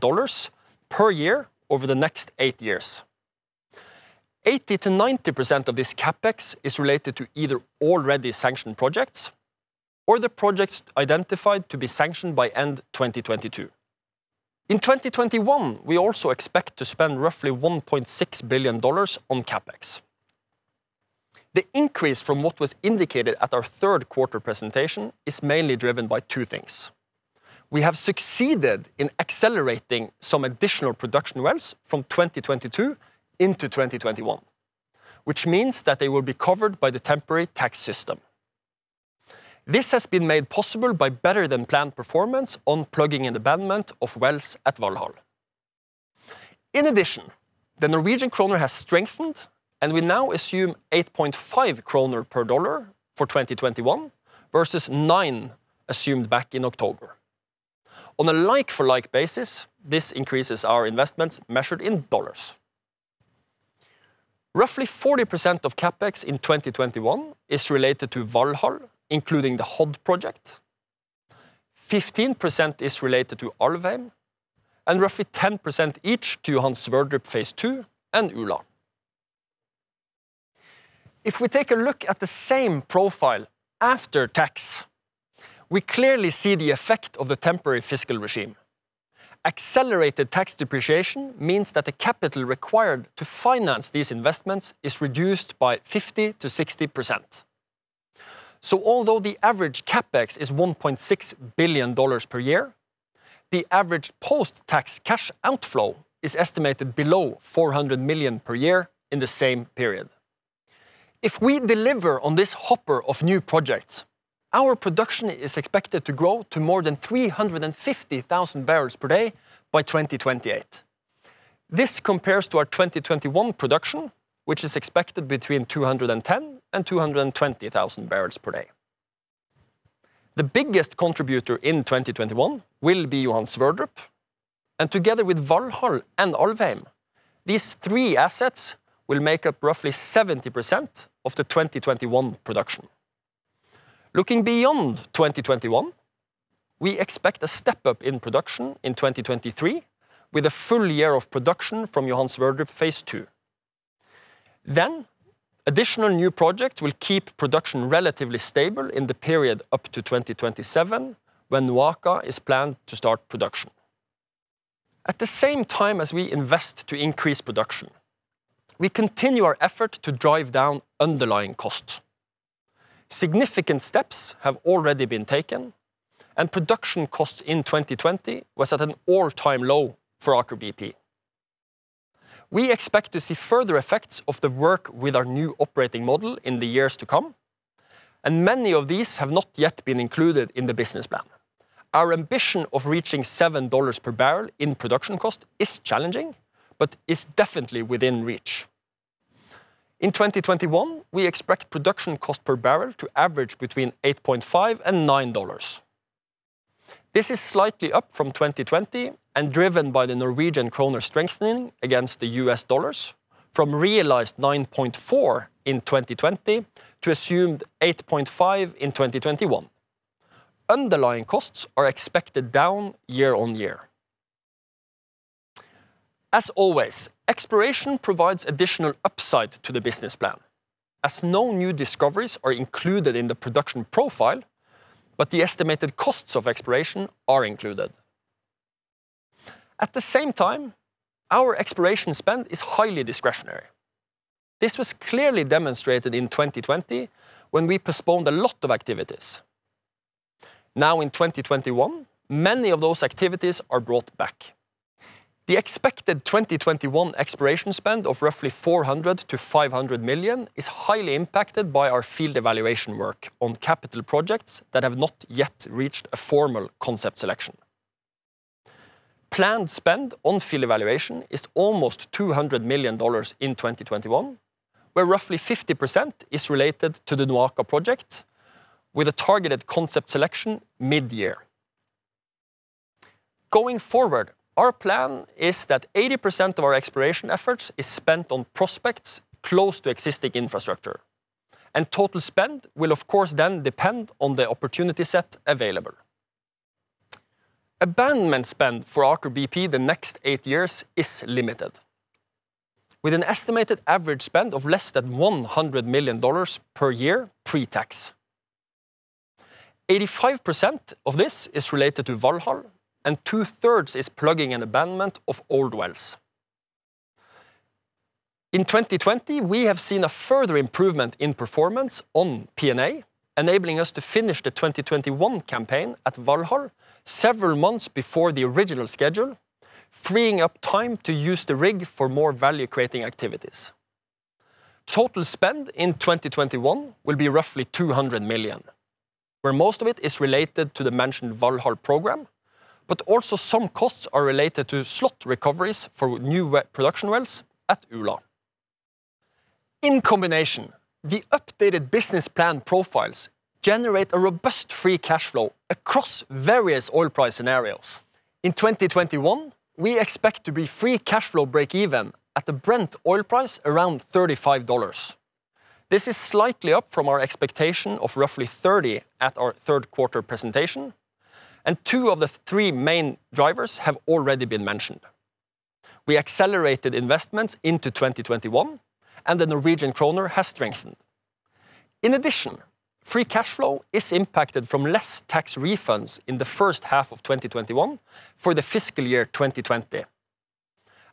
per year over the next eight years. 80%-90% of this CapEx is related to either already sanctioned projects or the projects identified to be sanctioned by end 2022. In 2021, we also expect to spend roughly $1.6 billion on CapEx. The increase from what was indicated at our third quarter presentation is mainly driven by two things. We have succeeded in accelerating some additional production wells from 2022 into 2021, which means that they will be covered by the temporary tax system. This has been made possible by better than planned performance on plugging and abandonment of wells at Valhall. In addition, the NOK has strengthened, and we now assume 8.5 kroner per dollar for 2021 versus 9 assumed back in October. On a like-for-like basis, this increases our investments measured in dollars. Roughly 40% of CapEx in 2021 is related to Valhall, including the Hod project, 15% is related to Alvheim, and roughly 10% each to Johan Sverdrup phase II and Ula. If we take a look at the same profile after tax, we clearly see the effect of the temporary fiscal regime. Accelerated tax depreciation means that the capital required to finance these investments is reduced by 50%-60%. Although the average CapEx is $1.6 billion per year, the average post-tax cash outflow is estimated below 400 million per year in the same period. If we deliver on this hopper of new projects, our production is expected to grow to more than 350,000 barrels per day by 2028. This compares to our 2021 production, which is expected between 210,000 and 220,000 barrels per day. The biggest contributor in 2021 will be Johan Sverdrup. Together with Valhall and Alvheim, these three assets will make up roughly 70% of the 2021 production. Looking beyond 2021, we expect a step-up in production in 2023 with a full year of production from Johan Sverdrup phase II. Additional new projects will keep production relatively stable in the period up to 2027 when NOAKA is planned to start production. At the same time as we invest to increase production, we continue our effort to drive down underlying costs. Significant steps have already been taken. Production costs in 2020 was at an all-time low for Aker BP. We expect to see further effects of the work with our new operating model in the years to come. Many of these have not yet been included in the business plan. Our ambition of reaching $7 per barrel in production cost is challenging, but is definitely within reach. In 2021, we expect production cost per barrel to average between $8.50 and $9. This is slightly up from 2020 and driven by the Norwegian krone strengthening against the US dollars from realized $9.40 in 2020 to assumed $8.50 in 2021. Underlying costs are expected down year-over-year. As always, exploration provides additional upside to the business plan as no new discoveries are included in the production profile, but the estimated costs of exploration are included. At the same time, our exploration spend is highly discretionary. This was clearly demonstrated in 2020 when we postponed a lot of activities. Now in 2021, many of those activities are brought back. The expected 2021 exploration spend of roughly NOK 400 million-NOK 500 million is highly impacted by our field evaluation work on capital projects that have not yet reached a formal concept selection. Planned spend on field evaluation is almost NOK 200 million in 2021, where roughly 50% is related to the NOAKA project, with a targeted concept selection mid-year. Going forward, our plan is that 80% of our exploration efforts is spent on prospects close to existing infrastructure, and total spend will of course then depend on the opportunity set available. Abandonment spend for Aker BP the next eight years is limited, with an an estimated average spend of less than NOK 100 million per year pre-tax. 85% of this is related to Valhall, and two-thirds is plugging and abandonment of old wells. In 2020, we have seen a further improvement in performance on P&A, enabling us to finish the 2021 campaign at Valhall several months before the original schedule, freeing up time to use the rig for more value-creating activities. Total spend in 2021 will be roughly 200 million, where most of it is related to the mentioned Valhall program, but also some costs are related to slot recoveries for new production wells at Ula. In combination, the updated business plan profiles generate a robust free cash flow across various oil price scenarios. In 2021, we expect to be free cash flow breakeven at a Brent oil price around $35. This is slightly up from our expectation of roughly $30 at our third quarter presentation, and two of the three main drivers have already been mentioned. We accelerated investments into 2021, and the Norwegian kroner has strengthened. In addition, free cash flow is impacted from less tax refunds in the first half of 2021 for the fiscal year 2020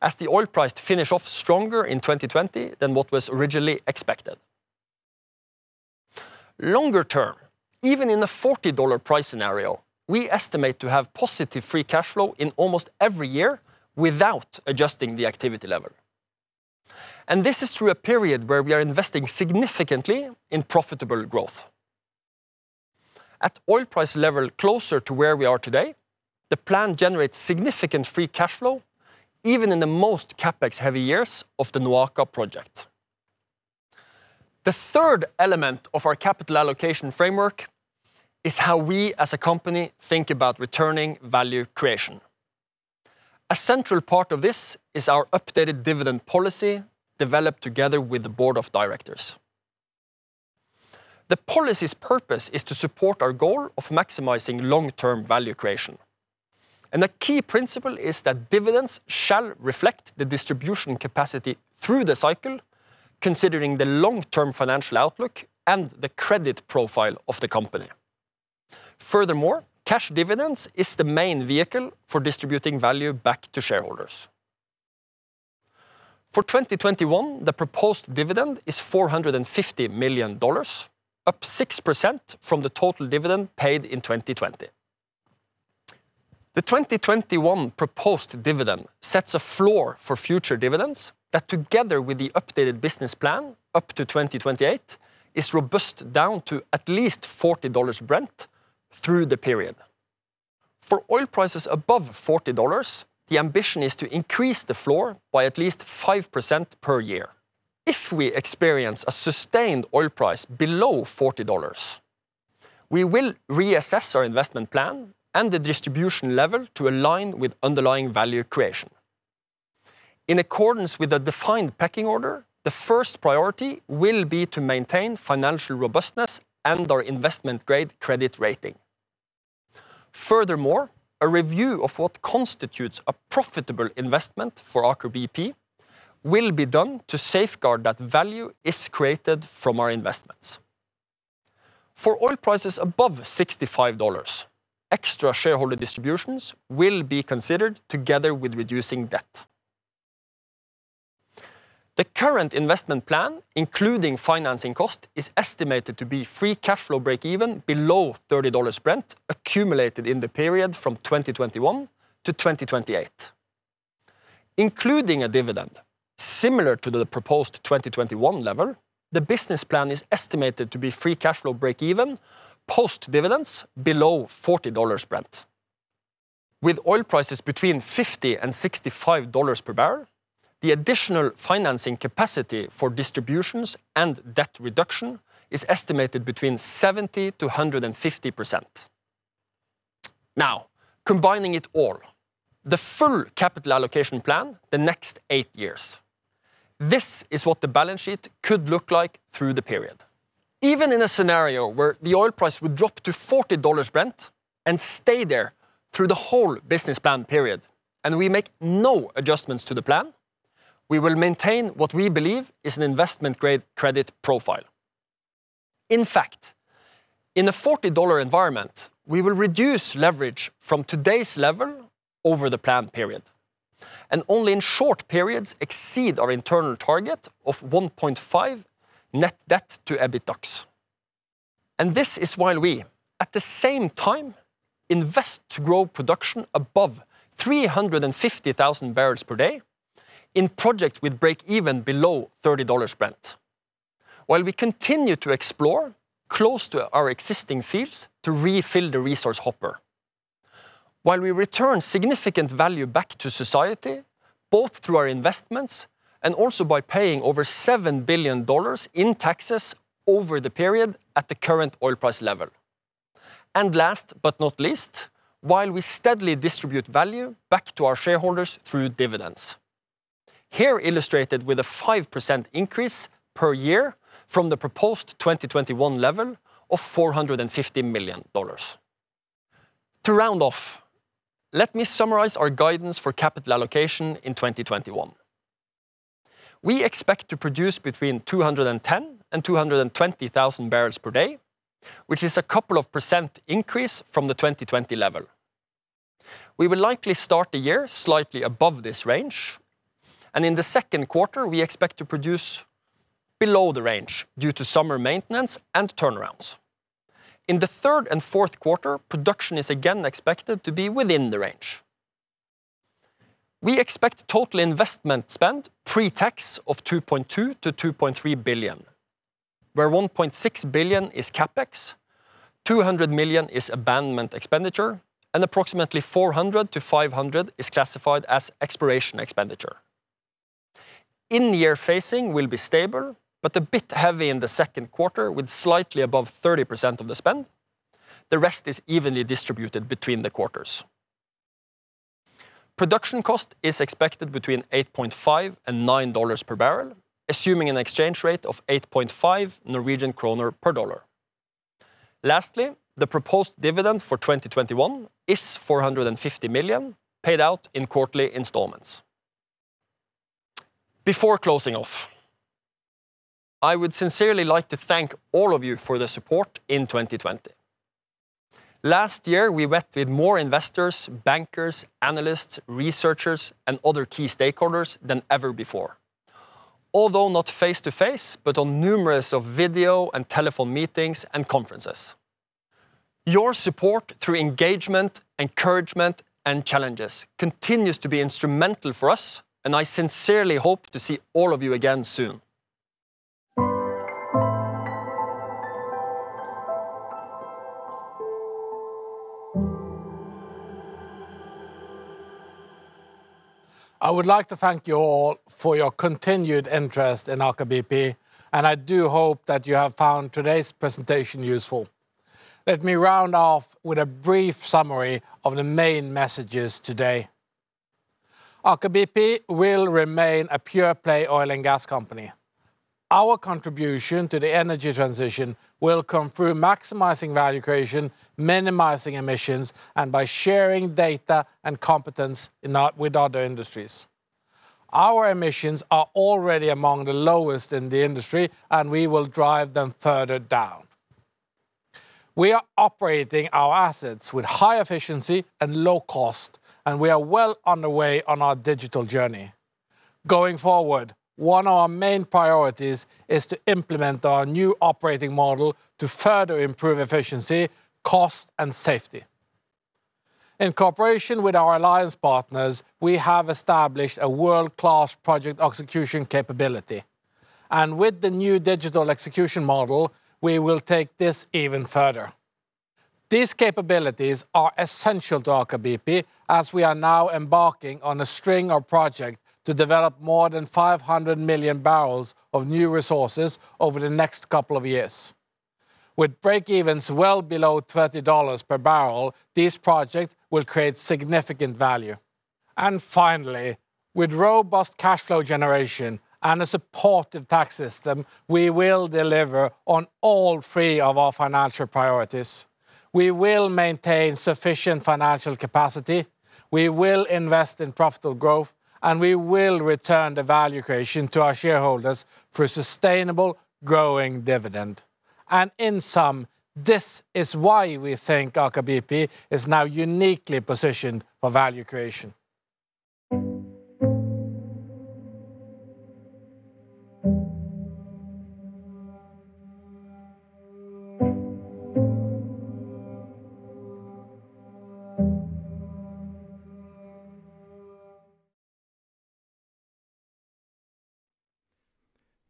as the oil price finished off stronger in 2020 than what was originally expected. Longer term, even in a $40 price scenario, we estimate to have positive free cash flow in almost every year without adjusting the activity level, and this is through a period where we are investing significantly in profitable growth. At oil price level closer to where we are today, the plan generates significant free cash flow, even in the most CapEx-heavy years of the NOAKA project. The third element of our capital allocation framework is how we as a company think about returning value creation. A central part of this is our updated dividend policy, developed together with the board of directors. The policy's purpose is to support our goal of maximizing long-term value creation, and the key principle is that dividends shall reflect the distribution capacity through the cycle, considering the long-term financial outlook and the credit profile of the company. Furthermore, cash dividends is the main vehicle for distributing value back to shareholders. For 2021, the proposed dividend is $450 million, up 6% from the total dividend paid in 2020. The 2021 proposed dividend sets a floor for future dividends that together with the updated business plan up to 2028 is robust down to at least $40 Brent through the period. For oil prices above $40, the ambition is to increase the floor by at least 5% per year. If we experience a sustained oil price below $40, we will reassess our investment plan and the distribution level to align with underlying value creation. In accordance with a defined pecking order, the first priority will be to maintain financial robustness and our investment-grade credit rating. Furthermore, a review of what constitutes a profitable investment for Aker BP will be done to safeguard that value is created from our investments. For oil prices above $65, extra shareholder distributions will be considered together with reducing debt. The current investment plan, including financing cost, is estimated to be free cash flow breakeven below $30 Brent accumulated in the period from 2021 to 2028. Including a dividend similar to the proposed 2021 level, the business plan is estimated to be free cash flow breakeven post dividends below $40 Brent. With oil prices between $50 and $65 per barrel, the additional financing capacity for distributions and debt reduction is estimated between 70%-150%. Now, combining it all, the full capital allocation plan the next eight years. This is what the balance sheet could look like through the period. Even in a scenario where the oil price would drop to $40 Brent and stay there through the whole business plan period and we make no adjustments to the plan, we will maintain what we believe is an investment-grade credit profile. In a $40 environment, we will reduce leverage from today's level over the planned period, and only in short periods exceed our internal target of 1.5 net debt to EBITDAX. This is while we, at the same time, invest to grow production above 350,000 barrels per day in projects with break-even below $30 spent. We continue to explore close to our existing fields to refill the resource hopper. We return significant value back to society, both through our investments and also by paying over NOK 7 billion in taxes over the period at the current oil price level. Last but not least, while we steadily distribute value back to our shareholders through dividends. Here illustrated with a 5% increase per year from the proposed 2021 level of $450 million. To round off, let me summarize our guidance for capital allocation in 2021. We expect to produce between 210,000 and 220,000 barrels per day, which is a couple of percent increase from the 2020 level. We will likely start the year slightly above this range, and in the second quarter, we expect to produce below the range due to summer maintenance and turnarounds. In the third and fourth quarter, production is again expected to be within the range. We expect total investment spend pre-tax of 2.2 billion-2.3 billion, where 1.6 billion is CapEx, 200 million is abandonment expenditure, and approximately 400 million-500 million is classified as exploration expenditure. In-year phasing will be stable, but a bit heavy in the second quarter with slightly above 30% of the spend. The rest is evenly distributed between the quarters. Production cost is expected between $8.5-$9 per barrel, assuming an exchange rate of 8.5 Norwegian kroner per dollar. Lastly, the proposed dividend for 2021 is 450 million paid out in quarterly installments. Before closing off, I would sincerely like to thank all of you for the support in 2020. Last year, we met with more investors, bankers, analysts, researchers, and other key stakeholders than ever before. Although not face-to-face, but on numerous video and telephone meetings and conferences. Your support through engagement, encouragement, and challenges continues to be instrumental for us, and I sincerely hope to see all of you again soon. I would like to thank you all for your continued interest in Aker BP. I do hope that you have found today's presentation useful. Let me round off with a brief summary of the main messages today. Aker BP will remain a pure-play oil and gas company. Our contribution to the energy transition will come through maximizing value creation, minimizing emissions, and by sharing data and competence with other industries. Our emissions are already among the lowest in the industry. We will drive them further down. We are operating our assets with high efficiency and low cost. We are well on the way on our digital journey. Going forward, one of our main priorities is to implement our new operating model to further improve efficiency, cost, and safety. In cooperation with our alliance partners, we have established a world-class project execution capability, and with the new digital execution model, we will take this even further. These capabilities are essential to Aker BP as we are now embarking on a string of projects to develop more than 500 million barrels of new resources over the next couple of years. With break-evens well below $30 per barrel, these projects will create significant value. Finally, with robust cash flow generation and a supportive tax system, we will deliver on all three of our financial priorities. We will maintain sufficient financial capacity, we will invest in profitable growth, and we will return the value creation to our shareholders through a sustainable growing dividend. In sum, this is why we think Aker BP is now uniquely positioned for value creation.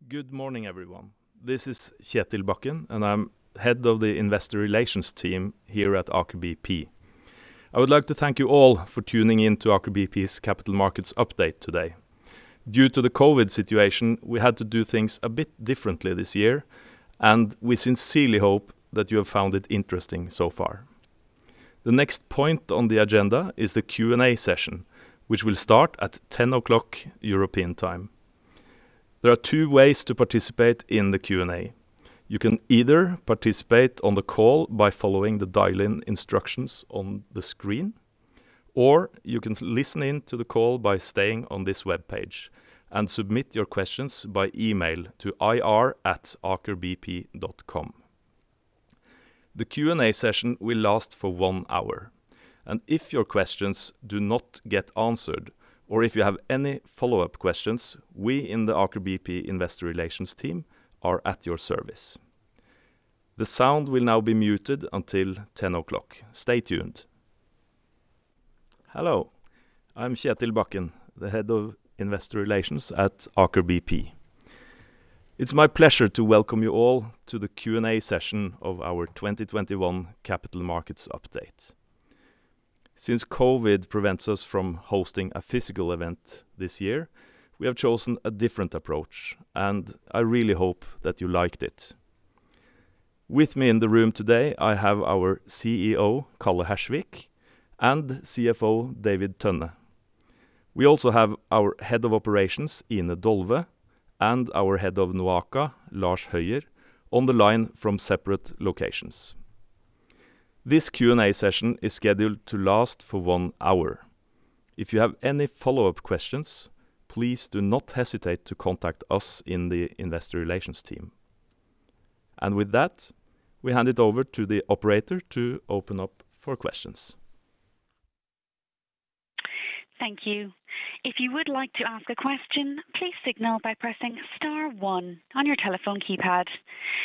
Good morning, everyone. This is Kjetil Bakken, I'm Head of the Investor Relations team here at Aker BP. I would like to thank you all for tuning in to Aker BP's Capital Markets Update today. Due to the COVID situation, we had to do things a bit differently this year. We sincerely hope that you have found it interesting so far. The next point on the agenda is the Q&A session, which will start at 10:00 A.M. European time. There are two ways to participate in the Q&A. You can either participate on the call by following the dial-in instructions on the screen. You can listen in to the call by staying on this webpage and submit your questions by email to ir@akerbp.com. The Q&A session will last for one hour, and if your questions do not get answered or if you have any follow-up questions, we in the Aker BP Investor Relations team are at your service. The sound will now be muted until 10:00 A.M. Stay tuned. Hello, I'm Kjetil Bakken, the Head of Investor Relations at Aker BP. It's my pleasure to welcome you all to the Q&A session of our 2021 Capital Markets Update. Since COVID prevents us from hosting a physical event this year, we have chosen a different approach, and I really hope that you liked it. With me in the room today, I have our CEO, Karl Hersvik, and CFO, David Tønne. We also have our Head of Operations, Ine Dolve, and our Head of NOAKA, Lars Høier, on the line from separate locations. This Q&A session is scheduled to last for one hour. If you have any follow-up questions, please do not hesitate to contact us in the investor relations team. With that, we hand it over to the operator to open up for questions. Thank you. If you would like to ask a question, please signal by pressing star one on your telephone keypad.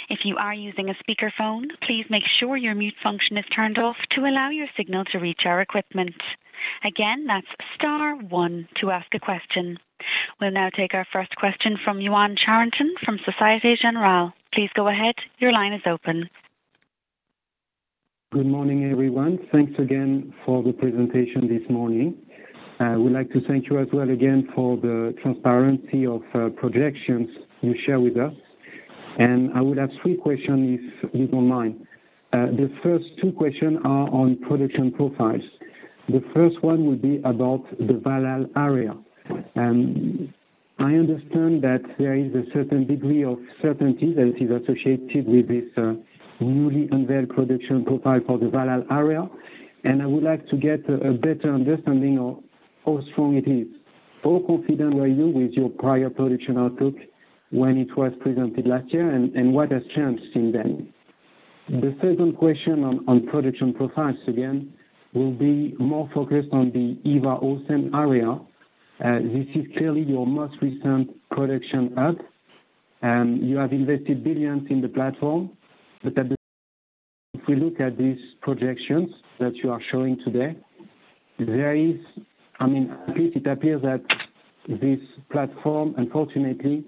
If you are using a speakerphone, please make sure your mute function is turned off to allow your signal to reach our equipment. Again, that's star one to ask a question. We'll now take our first question from Yoann Charenton from Société Générale. Please go ahead. Your line is open. Good morning, everyone. Thanks again for the presentation this morning. I would like to thank you as well again for the transparency of projections you share with us, and I would have three questions if you don't mind. The first two questions are on production profiles. The first one will be about the Valhall area. I understand that there is a certain degree of certainty that is associated with this newly unveiled production profile for the Valhall area, and I would like to get a better understanding of how strong it is. How confident were you with your prior production outlook when it was presented last year, and what has changed since then? The second question on production profiles again, will be more focused on the Ivar Aasen area. This is clearly your most recent production add. You have invested billions in the platform. If we look at these projections that you are showing today, at least it appears that this platform, unfortunately,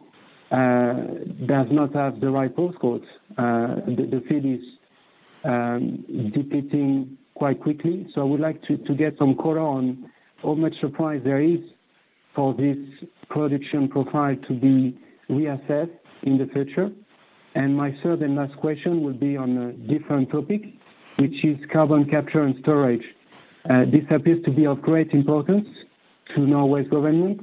does not have the right postcodes. The field is depleting quite quickly. I would like to get some color on how much surprise there is for this production profile to be reassessed in the future. My third and last question would be on a different topic, which is carbon capture and storage. This appears to be of great importance to Norway's government.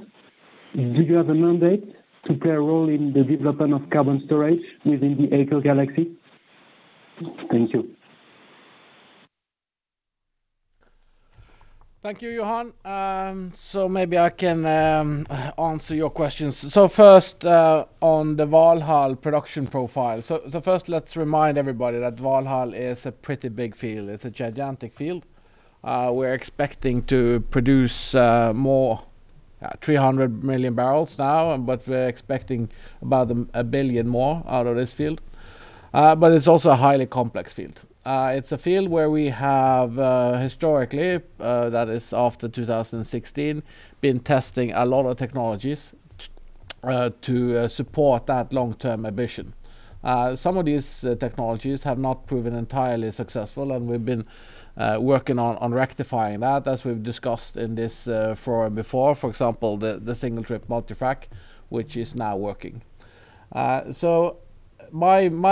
Do you have a mandate to play a role in the development of carbon storage within the Aker galaxy? Thank you. Thank you, Yoann. Maybe I can answer your questions. First, on the Valhall production profile. First, let's remind everybody that Valhall is a pretty big field. It's a gigantic field. We're expecting to produce more, 300 million barrels now, but we're expecting about a billion more out of this field. It's also a highly complex field. It's a field where we have historically, that is after 2016, been testing a lot of technologies to support that long-term ambition. Some of these technologies have not proven entirely successful, and we've been working on rectifying that as we've discussed in this forum before. For example, the single-trip multi-frac, which is now working. My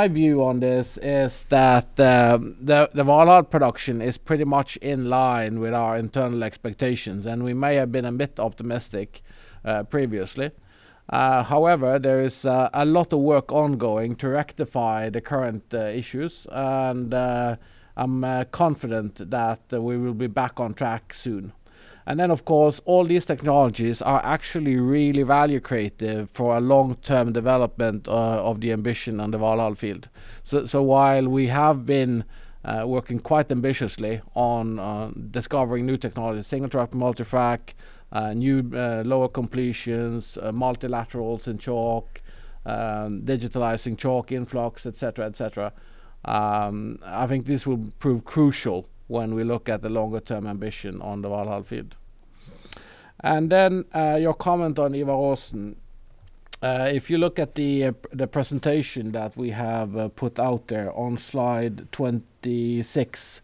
view on this is that the Valhall production is pretty much in line with our internal expectations, and we may have been a bit optimistic previously. There is a lot of work ongoing to rectify the current issues, and I'm confident that we will be back on track soon. Of course, all these technologies are actually really value creative for a long-term development of the ambition on the Valhall field. While we have been working quite ambitiously on discovering new technologies, single-trip multi-frac, new lower completions, multilaterals in chalk, digitalizing chalk influx, et cetera, I think this will prove crucial when we look at the longer-term ambition on the Valhall field. Your comment on Ivar Aasen. If you look at the presentation that we have put out there on slide 26,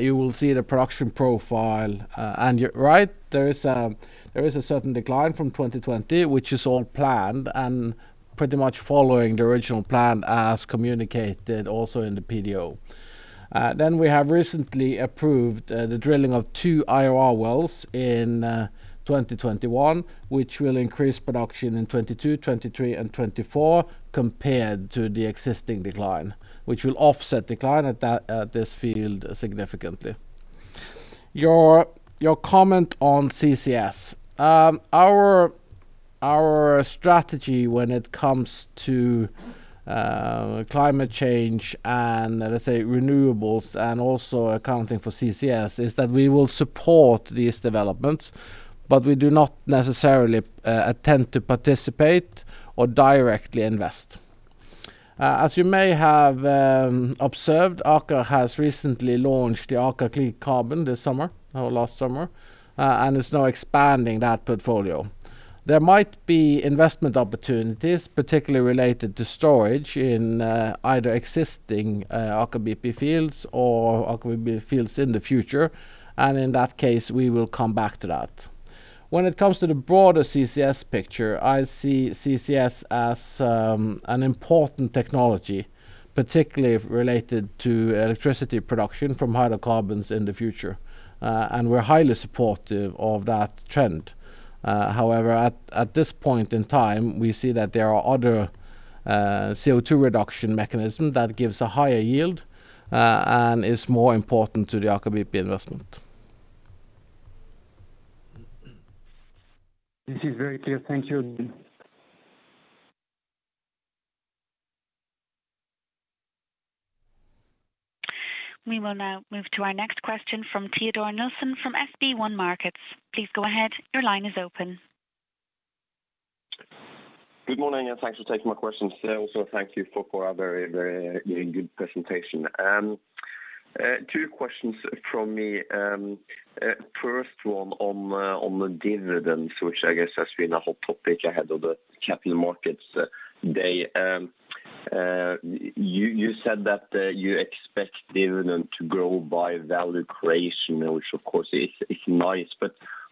you will see the production profile. You're right, there is a certain decline from 2020, which is all planned and pretty much following the original plan as communicated also in the PDO. We have recently approved the drilling of two IOR wells in 2021, which will increase production in 2022, 2023, and 2024 compared to the existing decline, which will offset decline at this field significantly. Your comment on CCS. Our strategy when it comes to climate change and let us say renewables and also accounting for CCS is that we will support these developments, but we do not necessarily attempt to participate or directly invest. As you may have observed, Aker has recently launched the Aker Carbon Capture this summer or last summer and is now expanding that portfolio. There might be investment opportunities, particularly related to storage in either existing Aker BP fields or Aker BP fields in the future. In that case, we will come back to that. When it comes to the broader CCS picture, I see CCS as an important technology, particularly related to electricity production from hydrocarbons in the future. We're highly supportive of that trend. At this point in time, we see that there are other CO2 reduction mechanism that gives a higher yield, and is more important to the Aker BP investment. This is very clear. Thank you. We will now move to our next question from Teodor Sveen-Nilsen from SB1 Markets. Please go ahead. Your line is open. Good morning, thanks for taking my questions. Thank you for a very good presentation. Two questions from me. First one on the dividends, which I guess has been a hot topic ahead of the Capital Markets Day. You said that you expect dividend to grow by value creation, which of course is nice.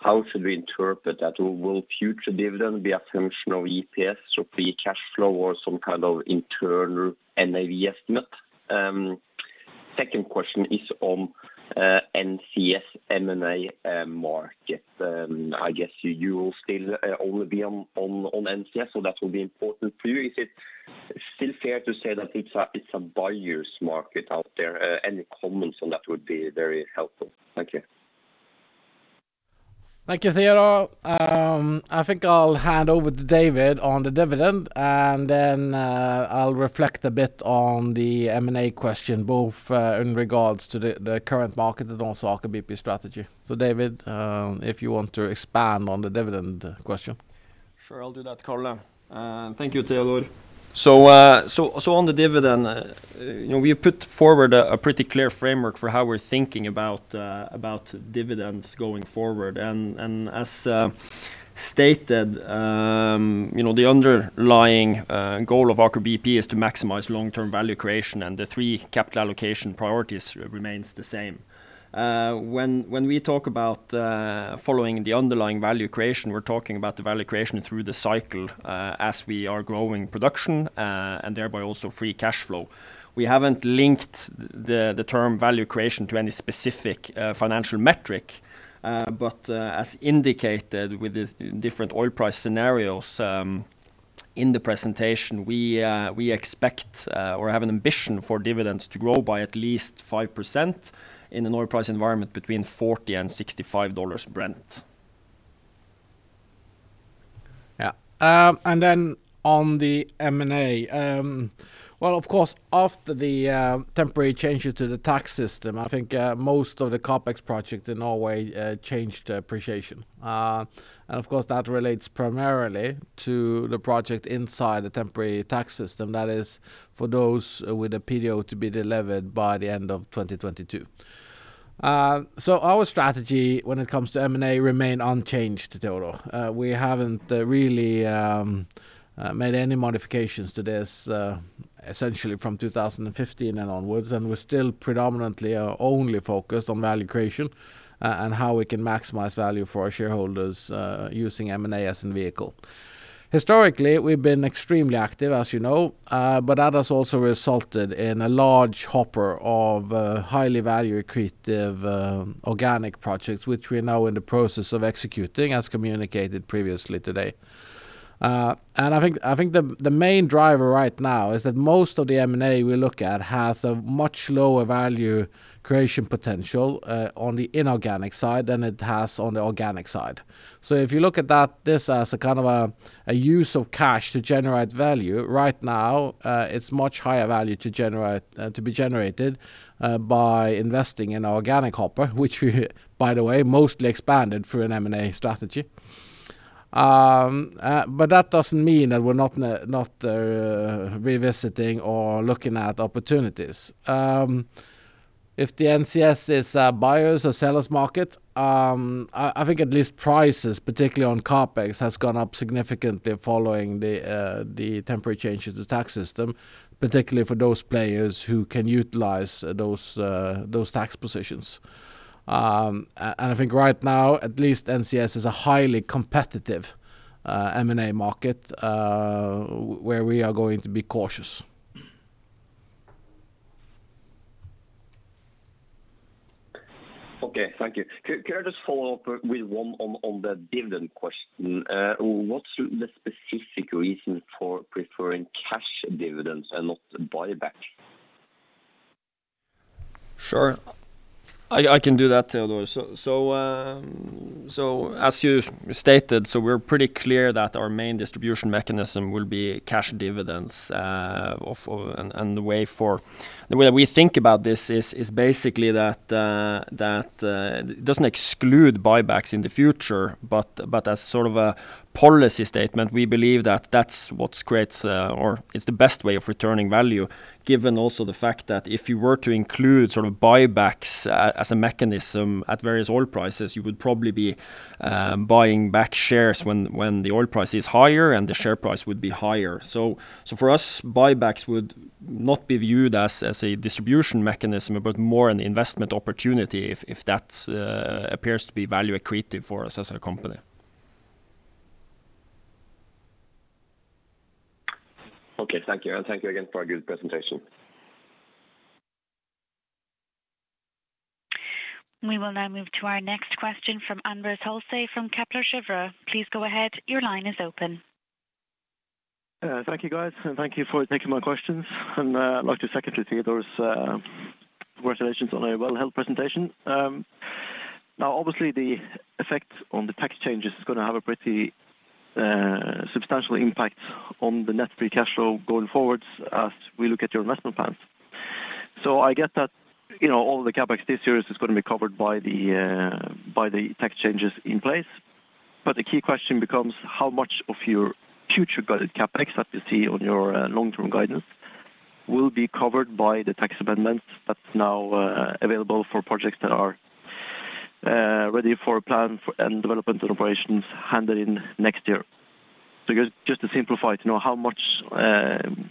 How should we interpret that? Will future dividend be a function of EPS, so free cash flow or some kind of internal NAV estimate? Second question is on NCS M&A market. I guess you will still only be on NCS, so that will be important for you. Is it still fair to say that it's a buyer's market out there? Any comments on that would be very helpful. Thank you. Thank you, Teodor. I think I'll hand over to David on the dividend, and then I'll reflect a bit on the M&A question, both in regards to the current market and also Aker BP strategy. David, if you want to expand on the dividend question. Sure. I'll do that, Karl. Thank you, Teodor. On the dividend, we put forward a pretty clear framework for how we're thinking about dividends going forward. As stated, the underlying goal of Aker BP is to maximize long-term value creation and the three capital allocation priorities remains the same. When we talk about following the underlying value creation, we're talking about the value creation through the cycle as we are growing production, and thereby also free cash flow. We haven't linked the term value creation to any specific financial metric. As indicated with the different oil price scenarios in the presentation, we expect or have an ambition for dividends to grow by at least 5% in an oil price environment between $40 and $65 Brent. Yeah. On the M&A. Well, of course, after the temporary changes to the tax system, I think most of the CapEx projects in Norway changed appreciation. Of course, that relates primarily to the project inside the temporary tax system. That is for those with a PDO to be delivered by the end of 2022. Our strategy when it comes to M&A remain unchanged, Teodor. We haven't really made any modifications to this essentially from 2015 and onwards, and we're still predominantly only focused on value creation, and how we can maximize value for our shareholders using M&A as a vehicle. Historically, we've been extremely active, as you know, but that has also resulted in a large hopper of highly value accretive organic projects, which we are now in the process of executing, as communicated previously today. I think the main driver right now is that most of the M&A we look at has a much lower value creation potential on the inorganic side than it has on the organic side. If you look at this as a use of cash to generate value, right now it's much higher value to be generated by investing in organic hopper, which we by the way, mostly expanded through an M&A strategy. That doesn't mean that we're not revisiting or looking at opportunities. If the NCS is a buyers or sellers market, I think at least prices, particularly on CapEx, has gone up significantly following the temporary change of the tax system, particularly for those players who can utilize those tax positions. I think right now, at least NCS is a highly competitive M&A market where we are going to be cautious. Okay. Thank you. Could I just follow up with one on the dividend question? What's the specific reason for preferring cash dividends and not buyback? Sure. I can do that, Teodor. As you stated, we're pretty clear that our main distribution mechanism will be cash dividends. The way we think about this is basically that it doesn't exclude buybacks in the future, but as sort of a policy statement, we believe that's what creates, or it's the best way of returning value, given also the fact that if you were to include buybacks as a mechanism at various oil prices, you would probably be buying back shares when the oil price is higher and the share price would be higher. For us, buybacks would not be viewed as a distribution mechanism, but more an investment opportunity if that appears to be value accretive for us as a company. Okay, thank you. Thank you again for a good presentation. We will now move to our next question from Anders Holte from Kepler Cheuvreux. Please go ahead. Your line is open. Thank you, guys. Thank you for taking my questions. I'd like to secondly, Teodor, congratulations on a well-held presentation. Now, obviously, the effect on the tax changes is going to have a pretty substantial impact on the net free cash flow going forward as we look at your investment plans. I get that all the CapEx this year is going to be covered by the tax changes in place. The key question becomes how much of your future guided CapEx that you see on your long-term guidance will be covered by the tax amendment that's now available for projects that are ready for plan and development and operations handed in next year? Just to simplify, to know how much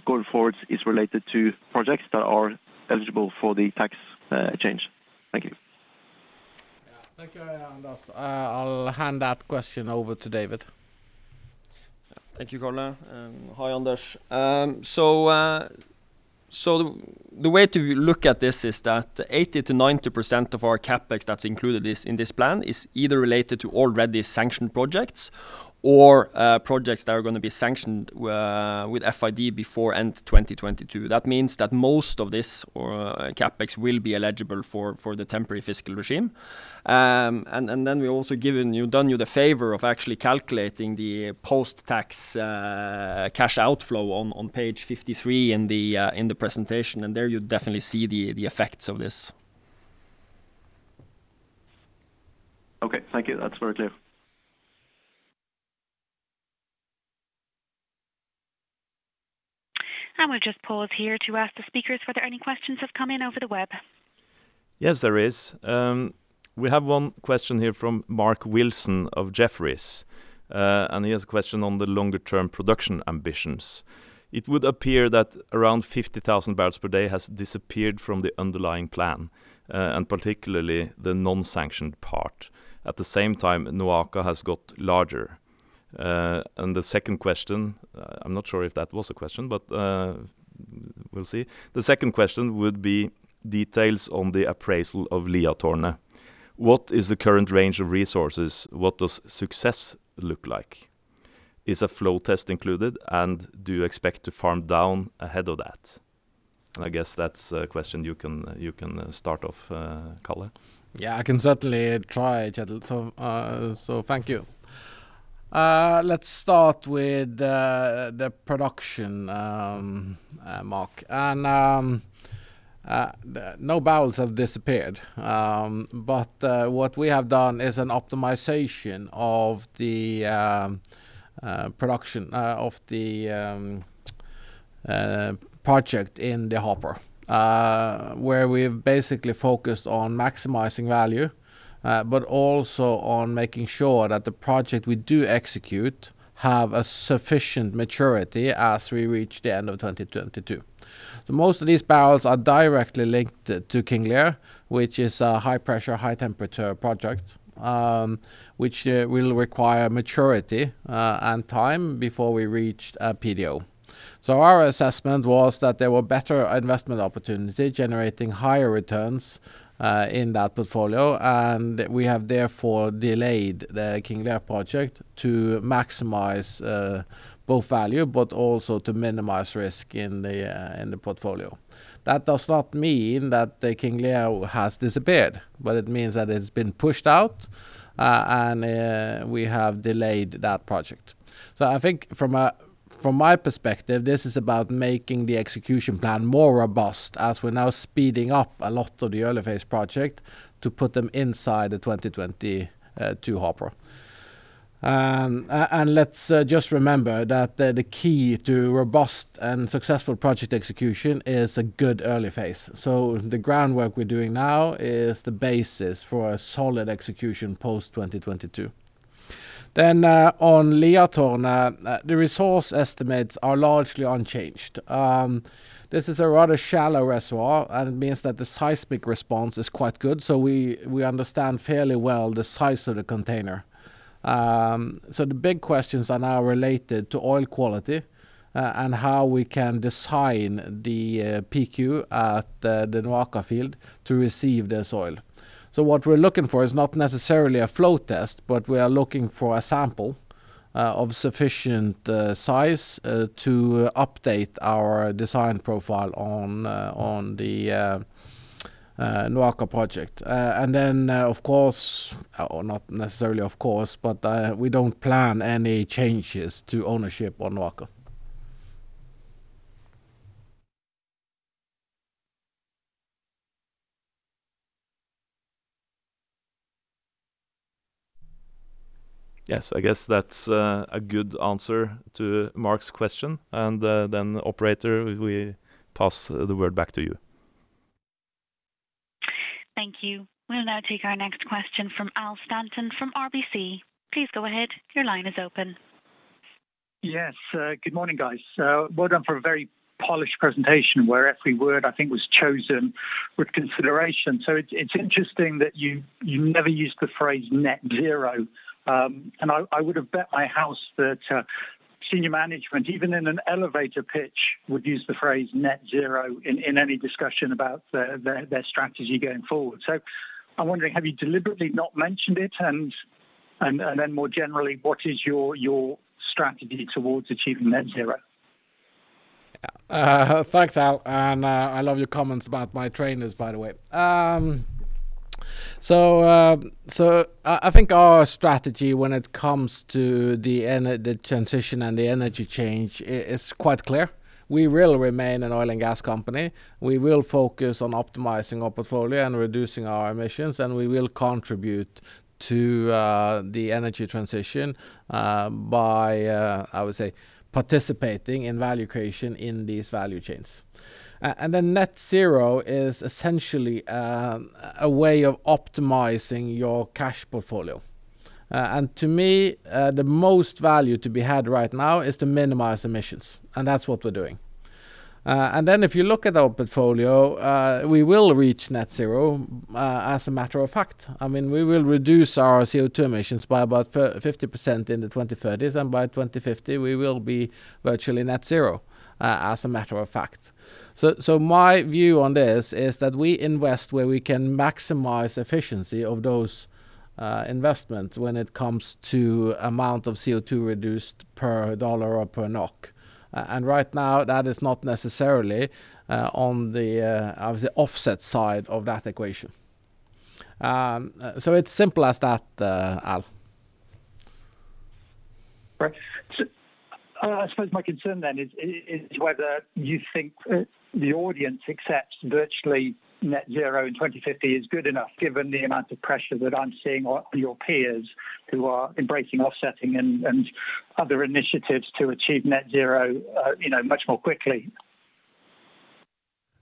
going forward is related to projects that are eligible for the tax change. Thank you. The way to look at this is that 80%-90% of our CapEx that's included in this plan is either related to already sanctioned projects or projects that are going to be sanctioned with FID before end 2022. That means that most of this CapEx will be eligible for the temporary fiscal regime. We've also done you the favor of actually calculating the post-tax cash outflow on page 53 in the presentation, and there you definitely see the effects of this. Okay. Thank you. That's very clear. We'll just pause here to ask the speakers whether any questions have come in over the web. Yes, there is. We have one question here from Mark Wilson of Jefferies. He has a question on the longer-term production ambitions. It would appear that around 50,000 barrels per day has disappeared from the underlying plan, and particularly the non-sanctioned part. At the same time, NOAKA has got larger. The second question, I'm not sure if that was a question, but we will see. The second question would be details on the appraisal of Liatårnet. What is the current range of resources? What does success look like? Is a flow test included, and do you expect to farm down ahead of that? I guess that's a question you can start off, Karl. Yeah, I can certainly try, Kjetil. Thank you. Let's start with the production, Mark. No barrels have disappeared, but what we have done is an optimization of the production of the project in the hopper where we've basically focused on maximizing value, but also on making sure that the project we do execute have a sufficient maturity as we reach the end of 2022. Most of these barrels are directly linked to King Lear, which is a high-pressure, high-temperature project, which will require maturity and time before we reach a PDO. Our assessment was that there were better investment opportunities generating higher returns in that portfolio, and we have therefore delayed the King Lear project to maximize both value, but also to minimize risk in the portfolio. That does not mean that the King Lear has disappeared. It means that it's been pushed out. We have delayed that project. I think from my perspective, this is about making the execution plan more robust as we're now speeding up a lot of the early phase project to put them inside the 2022 hopper. Let's just remember that the key to robust and successful project execution is a good early phase. The groundwork we're doing now is the basis for a solid execution post-2022. On Liatårnet, the resource estimates are largely unchanged. This is a rather shallow reservoir. It means that the seismic response is quite good. We understand fairly well the size of the container. The big questions are now related to oil quality and how we can design the PdQ at the Noaka field to receive this oil. What we're looking for is not necessarily a flow test, but we are looking for a sample of sufficient size to update our design profile on the. NOAKA project. Of course, or not necessarily of course, but we don't plan any changes to ownership on NOAKA. Yes, I guess that is a good answer to Mark’s question. Operator, we pass the word back to you. Thank you. We'll now take our next question from Al Stanton from RBC. Please go ahead. Your line is open. Yes, good morning, guys. Well done for a very polished presentation where every word, I think, was chosen with consideration. It's interesting that you never used the phrase net zero. I would have bet my house that senior management, even in an elevator pitch, would use the phrase net zero in any discussion about their strategy going forward. I'm wondering, have you deliberately not mentioned it? More generally, what is your strategy towards achieving net zero? Thanks, Al, and I love your comments about my trainers, by the way. I think our strategy when it comes to the transition and the energy change is quite clear. We will remain an oil and gas company. We will focus on optimizing our portfolio and reducing our emissions, and we will contribute to the energy transition by, I would say, participating in value creation in these value chains. Net zero is essentially a way of optimizing your cash portfolio. To me, the most value to be had right now is to minimize emissions, and that's what we're doing. If you look at our portfolio, we will reach net zero, as a matter of fact. We will reduce our CO2 emissions by about 50% in the 2030s, and by 2050, we will be virtually net zero, as a matter of fact. My view on this is that we invest where we can maximize efficiency of those investments when it comes to amount of CO2 reduced per US dollar or per NOK. Right now, that is not necessarily on the offset side of that equation. It's simple as that, Al. Right. I suppose my concern then is whether you think the audience accepts virtually net zero in 2050 is good enough given the amount of pressure that I'm seeing on your peers who are embracing offsetting and other initiatives to achieve net zero much more quickly?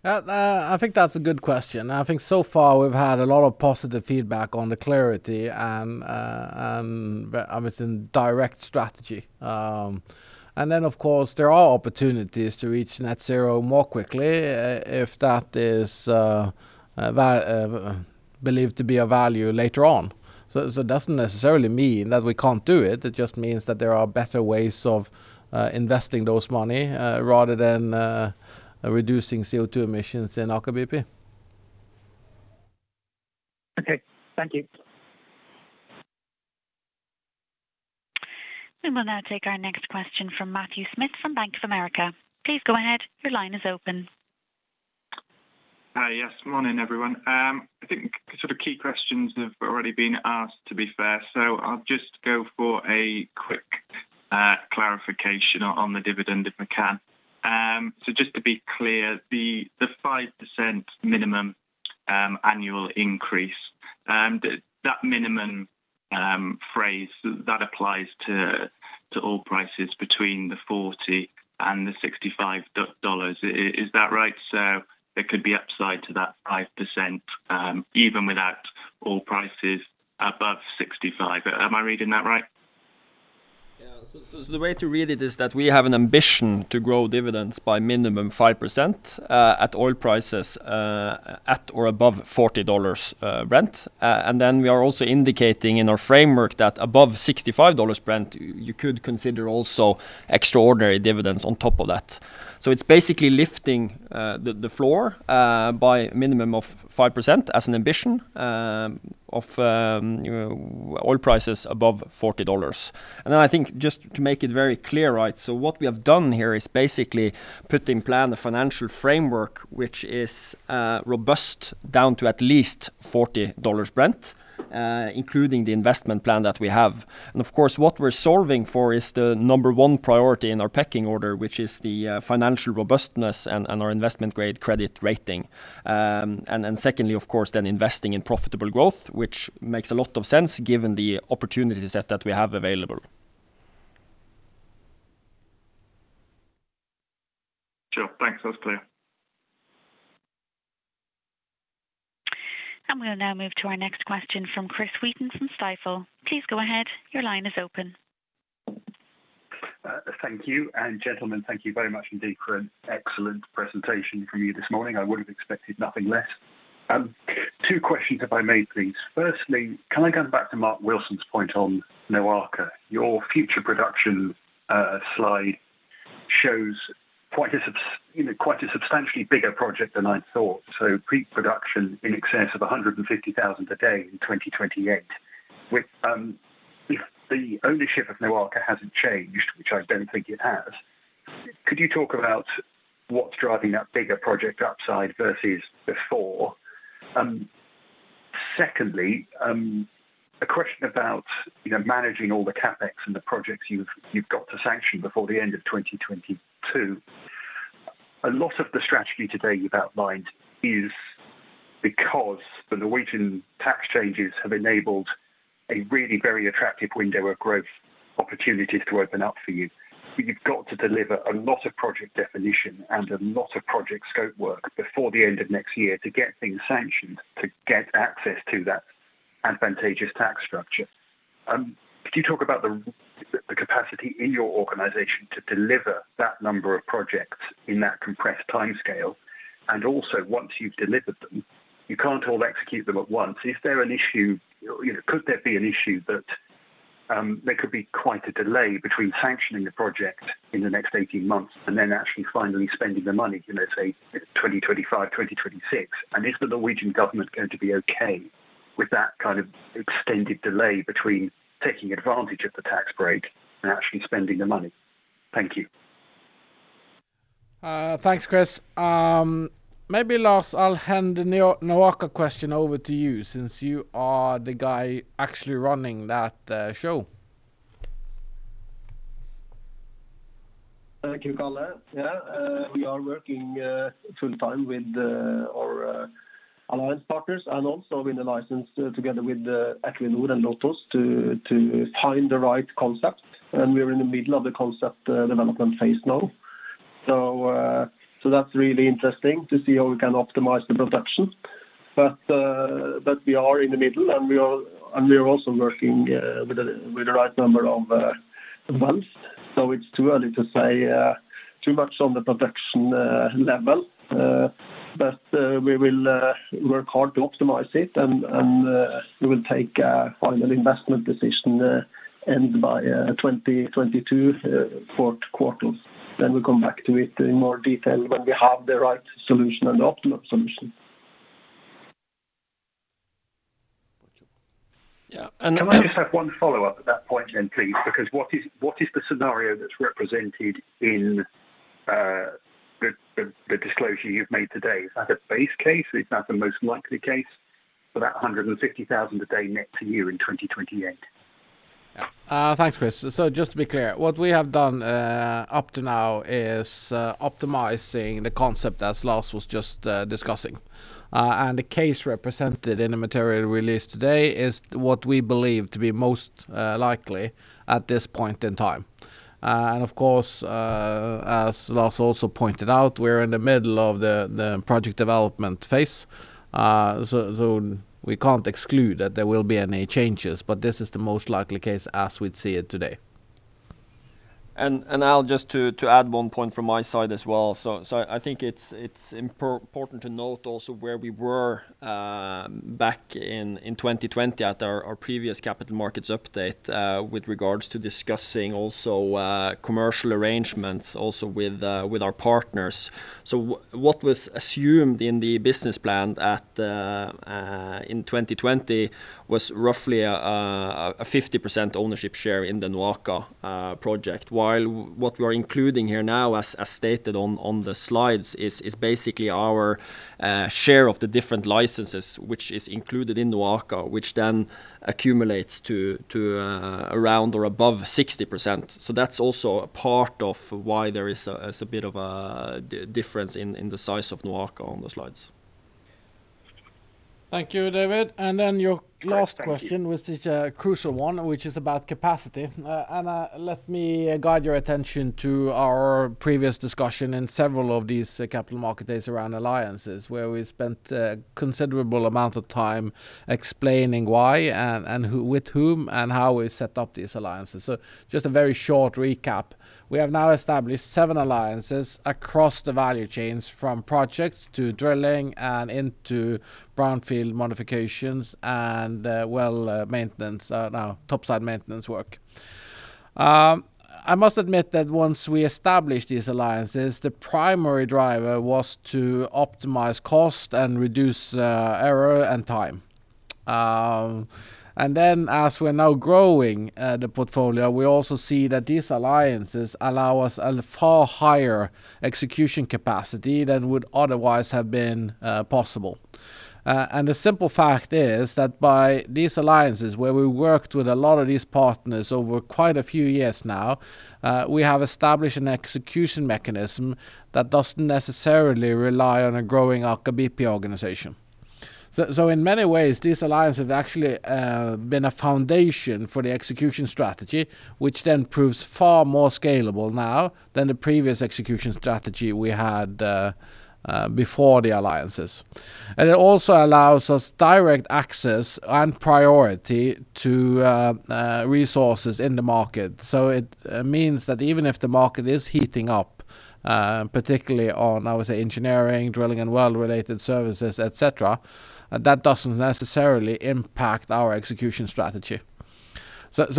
I think that's a good question. I think so far we've had a lot of positive feedback on the clarity and direct strategy. Of course, there are opportunities to reach net zero more quickly if that is believed to be a value later on. It doesn't necessarily mean that we can't do it just means that there are better ways of investing those money rather than reducing CO2 emissions in Aker BP. Okay. Thank you. We will now take our next question from Matthew Smith from Bank of America. Please go ahead, your line is open. Hi, yes. Morning, everyone. I think the key questions have already been asked, to be fair, I'll just go for a quick clarification on the dividend, if I can. Just to be clear, the 5% minimum annual increase, that minimum phrase, that applies to oil prices between the $40 and the $65. Is that right? There could be upside to that 5%, even without oil prices above $65. Am I reading that right? Yeah. The way to read it is that we have an ambition to grow dividends by minimum 5% at oil prices at or above $40 Brent. Then we are also indicating in our framework that above $65 Brent, you could consider also extraordinary dividends on top of that. It's basically lifting the floor by minimum of 5% as an ambition of oil prices above $40. Then I think just to make it very clear, what we have done here is basically put in plan a financial framework which is robust down to at least $40 Brent, including the investment plan that we have. Of course, what we're solving for is the number one priority in our pecking order, which is the financial robustness and our investment-grade credit rating. Secondly, of course, then investing in profitable growth, which makes a lot of sense given the opportunity set that we have available. Sure. Thanks. That's clear. We'll now move to our next question from Chris Wheaton from Stifel. Please go ahead. Your line is open. Gentlemen, thank you very much indeed for an excellent presentation from you this morning. I would have expected nothing less. Two questions, if I may please. Firstly, can I go back to Mark Wilson's point on NOAKA? Your future production slide shows quite a substantially bigger project than I thought. Peak production in excess of 150,000 a day in 2028. If the ownership of NOAKA hasn't changed, which I don't think it has. Could you talk about what's driving that bigger project upside versus before? Secondly, a question about managing all the CapEx and the projects you've got to sanction before the end of 2022. A lot of the strategy today you've outlined is because the Norwegian tax changes have enabled a really very attractive window of growth opportunities to open up for you. You've got to deliver a lot of project definition and a lot of project scope work before the end of next year to get things sanctioned, to get access to that advantageous tax structure. Also, once you've delivered them, you can't all execute them at once. Is there an issue, could there be an issue that there could be quite a delay between sanctioning the project in the next 18 months and then actually finally spending the money, let's say 2025, 2026? Is the Norwegian government going to be okay with that kind of extended delay between taking advantage of the tax break and actually spending the money? Thank you. Thanks, Chris. Maybe Lars, I will hand the NOAKA question over to you since you are the guy actually running that show. Thank you, Karl. Yeah, we are working full time with our alliance partners and also with the license together with Equinor and Lotos to find the right concept, and we are in the middle of the concept development phase now. That's really interesting to see how we can optimize the production. We are in the middle, and we are also working with the right number of wells. It's too early to say too much on the production level. We will work hard to optimize it, and we will take a final investment decision, end by 2022, fourth quarter. We'll come back to it in more detail when we have the right solution and optimum solution. Yeah. Can I just have one follow-up at that point then, please? Because what is the scenario that's represented in the disclosure you've made today? Is that a base case? Is that the most likely case for that 150,000 a day net to you in 2028? Thanks, Chris. Just to be clear, what we have done up to now is optimizing the concept as Lars was just discussing. The case represented in the material released today is what we believe to be most likely at this point in time. Of course, as Lars also pointed out, we're in the middle of the project development phase. We can't exclude that there will be any changes, but this is the most likely case as we see it today. I'll just to add one point from my side as well. I think it's important to note also where we were back in 2020 at our previous Capital Markets Update with regards to discussing also commercial arrangements also with our partners. What was assumed in the business plan in 2020 was roughly a 50% ownership share in the NOAKA project. While what we're including here now as stated on the slides is basically our share of the different licenses, which is included in NOAKA, which then accumulates to around or above 60%. That's also a part of why there is a bit of a difference in the size of NOAKA on the slides. Thank you, David. Your last question was the crucial one, which is about capacity. Let me guide your attention to our previous discussion in several of these capital market days around alliances, where we spent a considerable amount of time explaining why and with whom and how we set up these alliances. Just a very short recap. We have now established seven alliances across the value chains from projects to drilling and into brownfield modifications and well maintenance, now topside maintenance work. I must admit that once we established these alliances, the primary driver was to optimize cost and reduce error and time. As we're now growing the portfolio, we also see that these alliances allow us a far higher execution capacity than would otherwise have been possible. The simple fact is that by these alliances, where we worked with a lot of these partners over quite a few years now we have established an execution mechanism that doesn't necessarily rely on a growing Aker BP organization. In many ways, this alliance have actually been a foundation for the execution strategy, which proves far more scalable now than the previous execution strategy we had before the alliances. It also allows us direct access and priority to resources in the market. It means that even if the market is heating up, particularly on, I would say, engineering, drilling, and well related services, et cetera, that doesn't necessarily impact our execution strategy.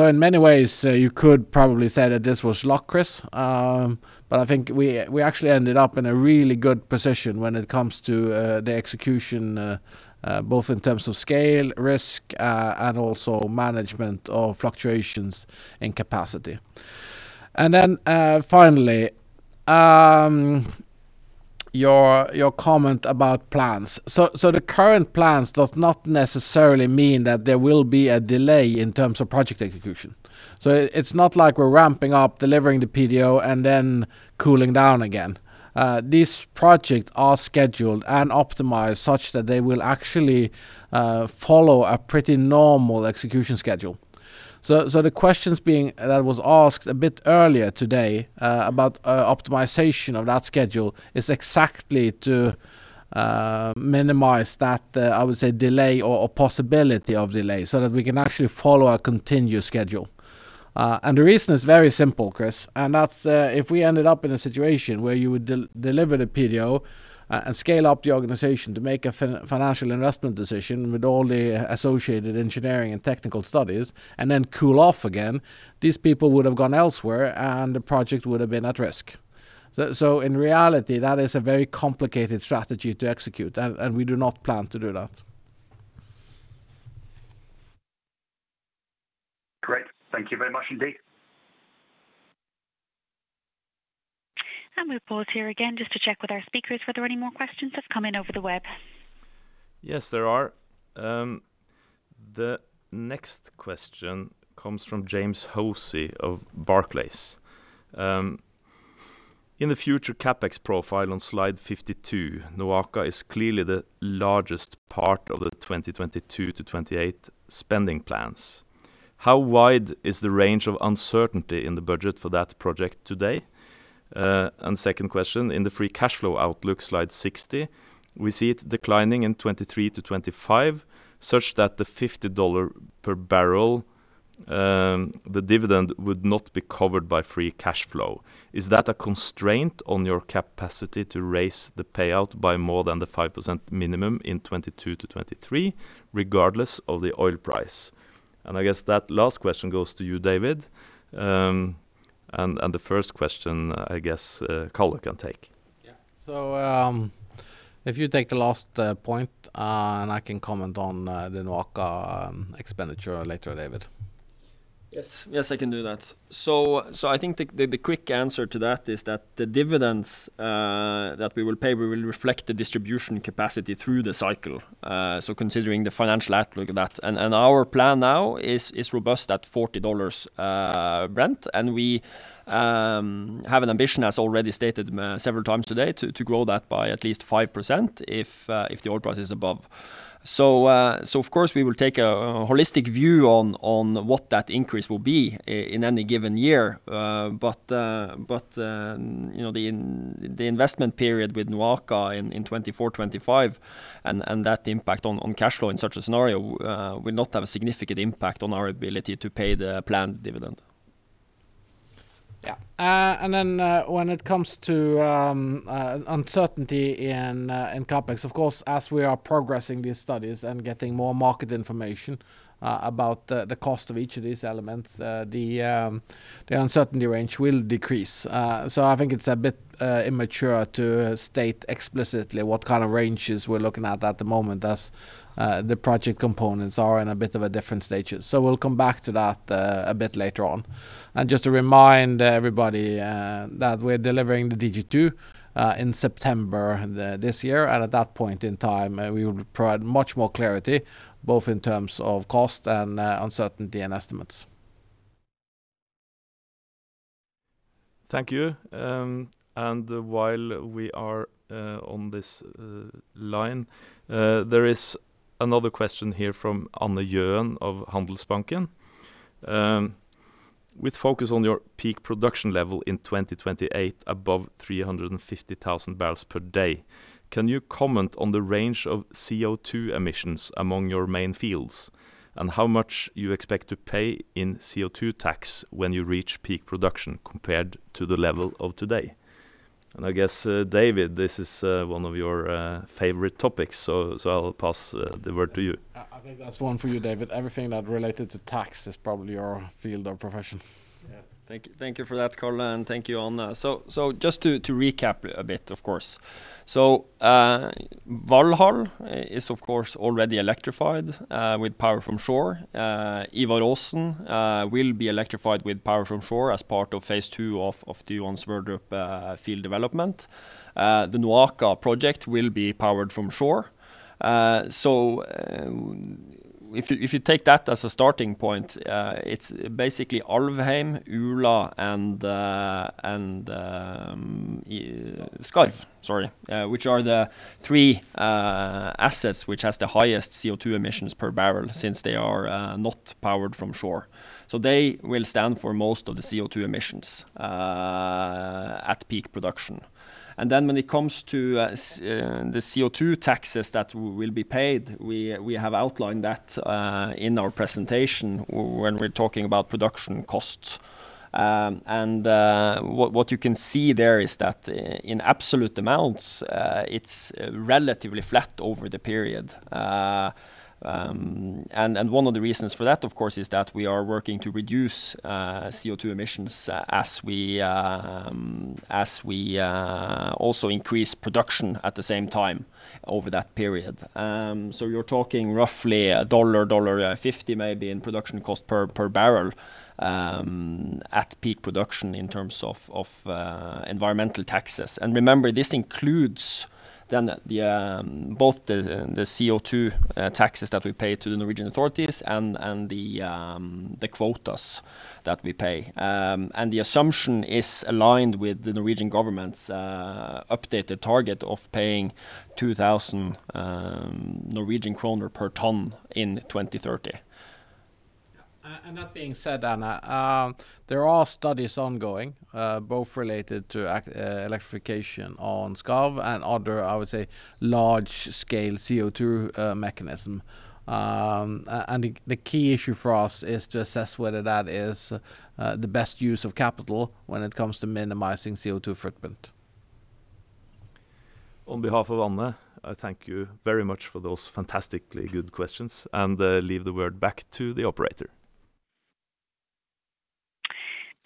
In many ways, you could probably say that this was luck, Chris, but I think we actually ended up in a really good position when it comes to the execution both in terms of scale, risk, and also management of fluctuations in capacity. Finally, your comment about plans. The current plans does not necessarily mean that there will be a delay in terms of project execution. It's not like we're ramping up delivering the PDO and then cooling down again. These projects are scheduled and optimized such that they will actually follow a pretty normal execution schedule. The questions that was asked a bit earlier today about optimization of that schedule is exactly to minimize that, I would say, delay or possibility of delay so that we can actually follow a continuous schedule. The reason is very simple, Chris, and that's if we ended up in a situation where you would deliver the PDO and scale up the organization to make a financial investment decision with all the associated engineering and technical studies and then cool off again, these people would have gone elsewhere, and the project would have been at risk. In reality, that is a very complicated strategy to execute, and we do not plan to do that. Great. Thank you very much indeed. We'll pause here again just to check with our speakers whether any more questions have come in over the web. Yes, there are. The next question comes from James Hosie of Barclays. In the future CapEx profile on slide 52, NOAKA is clearly the largest part of the 2022-2028 spending plans. How wide is the range of uncertainty in the budget for that project today? Second question, in the free cash flow outlook, slide 60, we see it declining in 2023-2025 such that the $50 per barrel, the dividend would not be covered by free cash flow. Is that a constraint on your capacity to raise the payout by more than the 5% minimum in 2022-2023, regardless of the oil price? I guess that last question goes to you, David. The first question, I guess, Karl could take. Yeah. If you take the last point, and I can comment on the NOAKA expenditure later, David. Yes, I can do that. I think the quick answer to that is that the dividends that we will pay will reflect the distribution capacity through the cycle. Considering the financial outlook of that. Our plan now is robust at $40 Brent. We have an ambition, as already stated several times today, to grow that by at least 5% if the oil price is above. Of course, we will take a holistic view on what that increase will be in any given year. The investment period with NOAKA in 2024, 2025 and that impact on cash flow in such a scenario will not have a significant impact on our ability to pay the planned dividend. When it comes to uncertainty in CapEx, of course, as we are progressing these studies and getting more market information about the cost of each of these elements, the uncertainty range will decrease. I think it's a bit immature to state explicitly what kind of ranges we're looking at at the moment as the project components are in a bit of a different stages. We'll come back to that a bit later on. Just to remind everybody that we're delivering the DG2 in September this year. At that point in time, we will provide much more clarity both in terms of cost and uncertainty and estimates. Thank you. While we are on this line, there is another question here from Anne Gjøen of Handelsbanken. With focus on your peak production level in 2028 above 350,000 barrels per day, can you comment on the range of CO2 emissions among your main fields and how much you expect to pay in CO2 tax when you reach peak production compared to the level of today? I guess, David, this is one of your favorite topics, so I'll pass the word to you. I think that's one for you, David. Everything that related to tax is probably your field of profession. Yeah. Thank you for that, Karl, and thank you, Anne. Just to recap a bit, of course. Valhall is, of course, already electrified with power from shore. Ivar Aasen will be electrified with power from shore as part of phase II of the Johan Sverdrup field development. The NOAKA project will be powered from shore. If you take that as a starting point, it's basically Alvheim, Ula and Skarv, sorry, which are the three assets which has the highest CO2 emissions per barrel since they are not powered from shore. They will stand for most of the CO2 emissions at peak production. When it comes to the CO2 taxes that will be paid, we have outlined that in our presentation when we're talking about production costs. What you can see there is that in absolute amounts, it's relatively flat over the period. One of the reasons for that, of course, is that we are working to reduce CO2 emissions as we also increase production at the same time over that period. You are talking roughly $1, $1.50 maybe in production cost per barrel at peak production in terms of environmental taxes. Remember, this includes then both the CO2 taxes that we pay to the Norwegian authorities and the quotas that we pay. The assumption is aligned with the Norwegian government's updated target of paying 2,000 Norwegian kroner per ton in 2030. That being said, Anne, there are studies ongoing, both related to electrification on Skarv and other, I would say, large-scale CO2 mechanism. The key issue for us is to assess whether that is the best use of capital when it comes to minimizing CO2 footprint. On behalf of Anne, I thank you very much for those fantastically good questions, and leave the word back to the operator.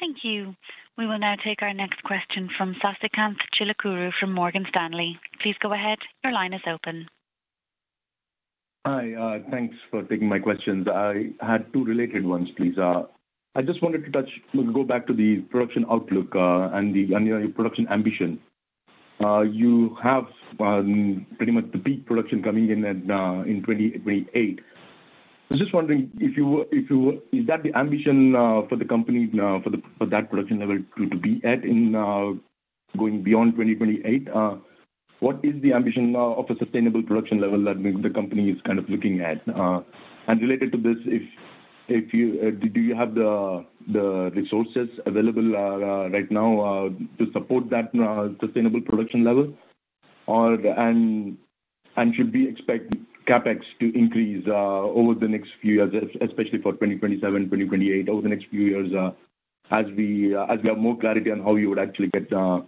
Thank you. We will now take our next question from Sasikanth Chilukuru from Morgan Stanley. Please go ahead. Your line is open. Hi. Thanks for taking my questions. I had two related ones, please. I just wanted to go back to the production outlook and your production ambition. You have pretty much the peak production coming in at 2028. I was just wondering is that the ambition for the company now for that production level to be at in going beyond 2028? What is the ambition now of a sustainable production level that the company is looking at? Related to this, do you have the resources available right now to support that sustainable production level? Should we expect CapEx to increase over the next few years, especially for 2027, 2028, over the next few years, as we have more clarity on how you would actually get to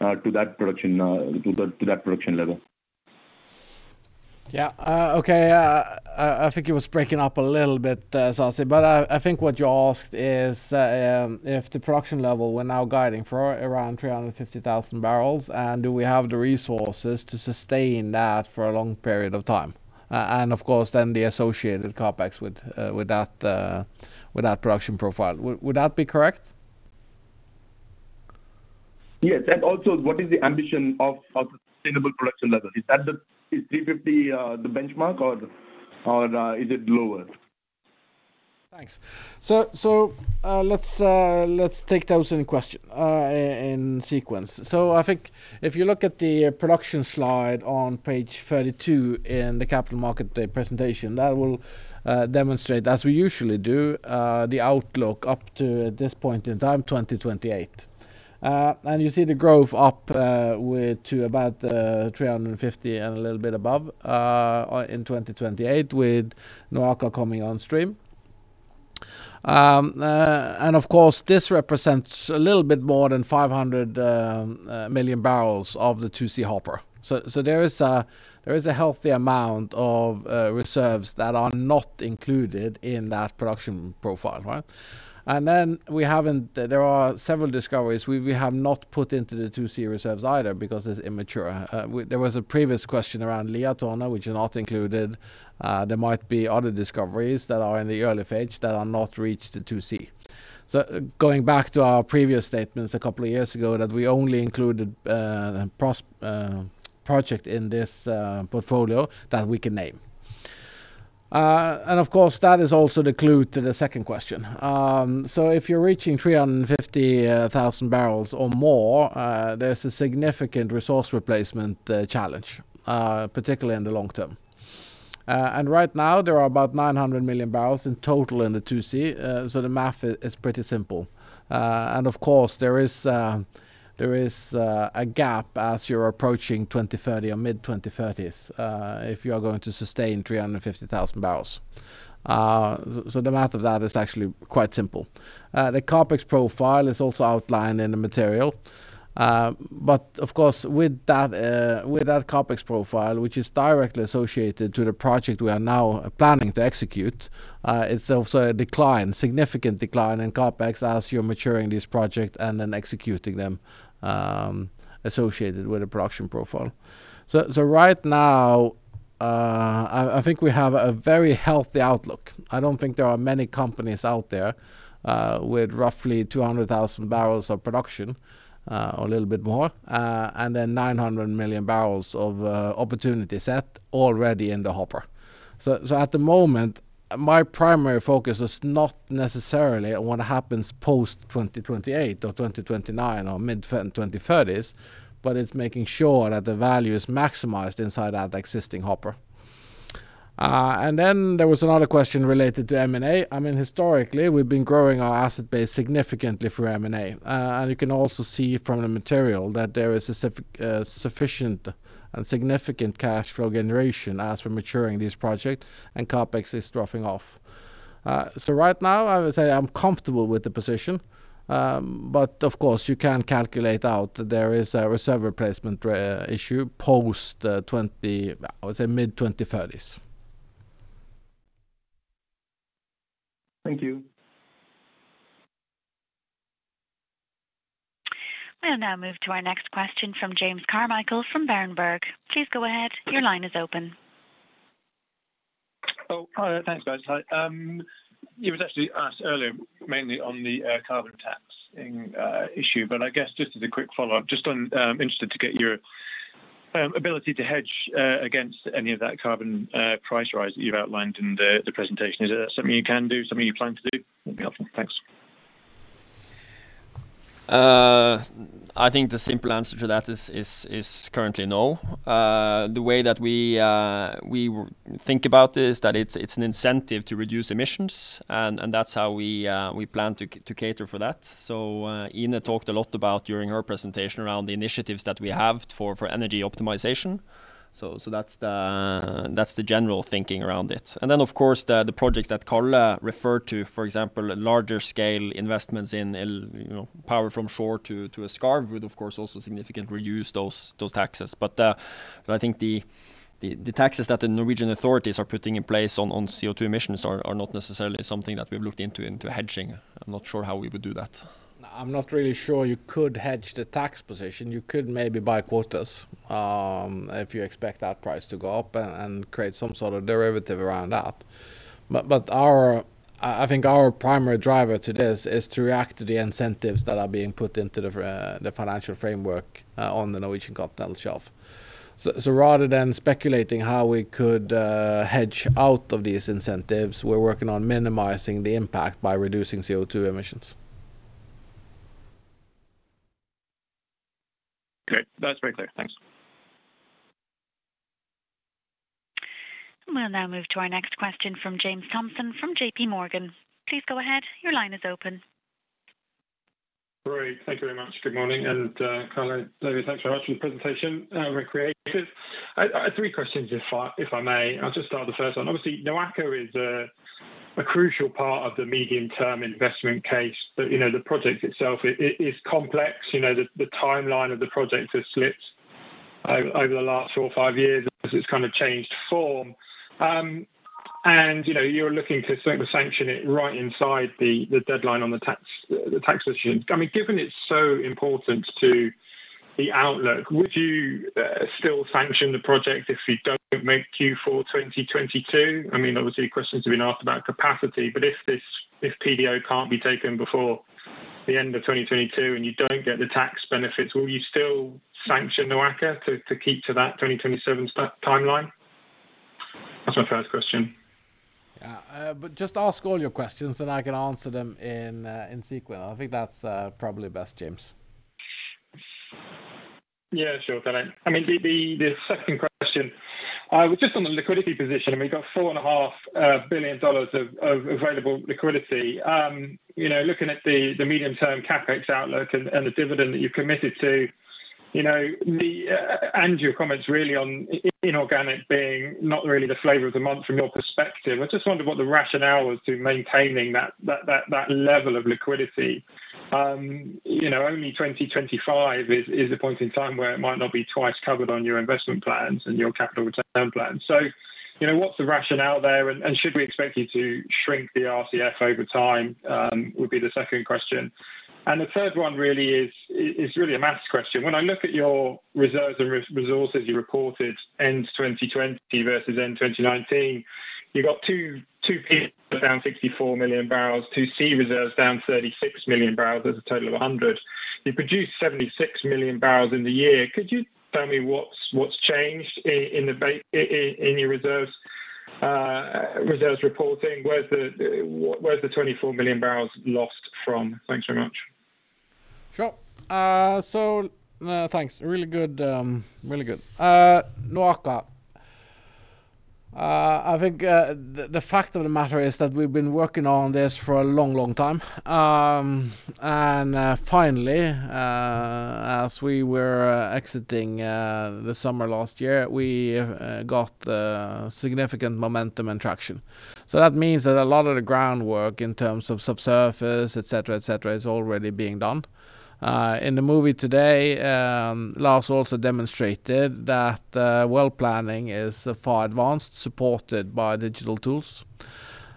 that production level? Yeah. Okay. I think it was breaking up a little bit, Sasi, but I think what you asked is if the production level we're now guiding for around 350,000 barrels, and do we have the resources to sustain that for a long period of time? Of course, then the associated CapEx with that production profile. Would that be correct? Yes. Also, what is the ambition of the sustainable production level? Is 350 the benchmark or is it lower? Thanks. Let's take those in sequence. I think if you look at the production slide on page 32 in the capital market presentation, that will demonstrate, as we usually do, the outlook up to this point in time, 2028. You see the growth up to about 350 and a little bit above in 2028 with NOAKA coming on stream. Of course, this represents a little bit more than 500 million barrels of the 2C hopper. There is a healthy amount of reserves that are not included in that production profile. Right? There are several discoveries we have not put into the 2C reserves either because it's immature. There was a previous question around Liatårnet, which is not included. There might be other discoveries that are in the early phase that are not reached to 2C. Going back to our previous statements a couple of years ago, that we only included project in this portfolio that we can name. Of course, that is also the clue to the second question. If you're reaching 350,000 barrels or more, there's a significant resource replacement challenge, particularly in the long term. Right now, there are about 900 million barrels in total in the 2C, so the math is pretty simple. Of course, there is a gap as you're approaching 2030 or mid-2030s if you are going to sustain 350,000 barrels. The math of that is actually quite simple. The CapEx profile is also outlined in the material. Of course, with that CapEx profile, which is directly associated to the project we are now planning to execute, it's also a significant decline in CapEx as you're maturing this project and then executing them associated with a production profile. Right now, I think we have a very healthy outlook. I don't think there are many companies out there with roughly 200,000 barrels of production, or a little bit more, and then 900 million barrels of opportunity set already in the hopper. At the moment, my primary focus is not necessarily on what happens post-2028 or 2029 or mid-2030s, but it's making sure that the value is maximized inside that existing hopper. There was another question related to M&A. Historically, we've been growing our asset base significantly through M&A. You can also see from the material that there is sufficient and significant cash flow generation as we're maturing this project and CapEx is dropping off. Right now, I would say I'm comfortable with the position. Of course, you can calculate out there is a reserve replacement issue post, I would say, mid-2030s. Thank you. We'll now move to our next question from James Carmichael from Berenberg. Please go ahead. Your line is open. Oh, hi. Thanks, guys. It was actually asked earlier, mainly on the carbon taxing issue. I guess just as a quick follow-up, I'm interested to get your ability to hedge against any of that carbon price rise that you've outlined in the presentation. Is that something you can do? Something you plan to do? That would be helpful. Thanks. I think the simple answer to that is currently no. The way that we think about this, that it's an incentive to reduce emissions and that's how we plan to cater for that. Ine talked a lot about, during her presentation, around the initiatives that we have for energy optimization. That's the general thinking around it. Then, of course, the projects that Karl referred to, for example, larger scale investments in power from shore to a Skarv would, of course, also significantly reduce those taxes. I think the taxes that the Norwegian authorities are putting in place on CO2 emissions are not necessarily something that we've looked into hedging. I'm not sure how we would do that. I'm not really sure you could hedge the tax position. You could maybe buy quotas, if you expect that price to go up and create some sort of derivative around that. I think our primary driver to this is to react to the incentives that are being put into the financial framework on the Norwegian continental shelf. Rather than speculating how we could hedge out of these incentives, we're working on minimizing the impact by reducing CO2 emissions. Great. That's very clear. Thanks. We'll now move to our next question from James Thompson from JPMorgan. Please go ahead. Your line is open. Great. Thank you very much. Good morning. Karl and David, thanks very much for the presentation. Very creative. I have three questions if I may. I'll just start the first one. Obviously, NOAKA is a crucial part of the medium-term investment case. The project itself is complex. The timeline of the project has slipped over the last four or five years as it's kind of changed form. You're looking to sanction it right inside the deadline on the tax regime. Given it's so important to the outlook, would you still sanction the project if you don't make Q4 2022? Obviously, questions have been asked about capacity, but if PDO can't be taken before the end of 2022 and you don't get the tax benefits, will you still sanction NOAKA to keep to that 2027 timeline? That's my first question. Yeah. Just ask all your questions and I can answer them in sequel. I think that's probably best, James. Yeah, sure, Karl. The second question was just on the liquidity position, we've got NOK 4.5 billion of available liquidity. Looking at the medium-term CapEx outlook and the dividend that you've committed to, and your comments really on inorganic being not really the flavor of the month from your perspective, I just wondered what the rationale was to maintaining that level of liquidity. Only 2025 is the point in time where it might not be twice covered on your investment plans and your capital return plans. What's the rationale there and should we expect you to shrink the RCF over time? Would be the second question. The third one really is a math question. When I look at your reserves and resources you reported end-2020 versus end-2019, you got 2P down 64 million barrels, 2C reserves down 36 million barrels. A total of 100. You produced 76 million barrels in the year. Could you tell me what's changed in your reserves reporting? Where's the 24 million barrels lost from? Thanks very much. Thanks. Really good. NOAKA. I think the fact of the matter is that we've been working on this for a long time, and finally as we were exiting the summer last year, we got significant momentum and traction. That means that a lot of the groundwork in terms of subsurface, et cetera, is already being done. In the movie today, Lars also demonstrated that well planning is far advanced, supported by digital tools.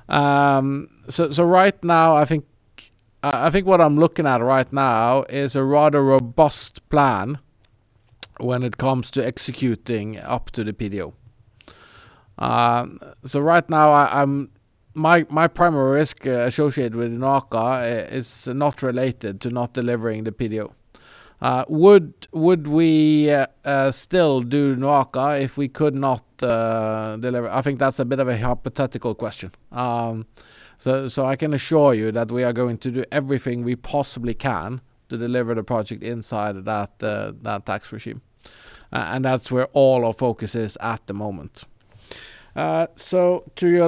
I think what I'm looking at right now is a rather robust plan when it comes to executing up to the PDO. Right now, my primary risk associated with NOAKA, is not related to not delivering the PDO. Would we still do NOAKA if we could not deliver? I think that's a bit of a hypothetical question. I can assure you that we are going to do everything we possibly can to deliver the project inside that tax regime. That's where all our focus is at the moment. To your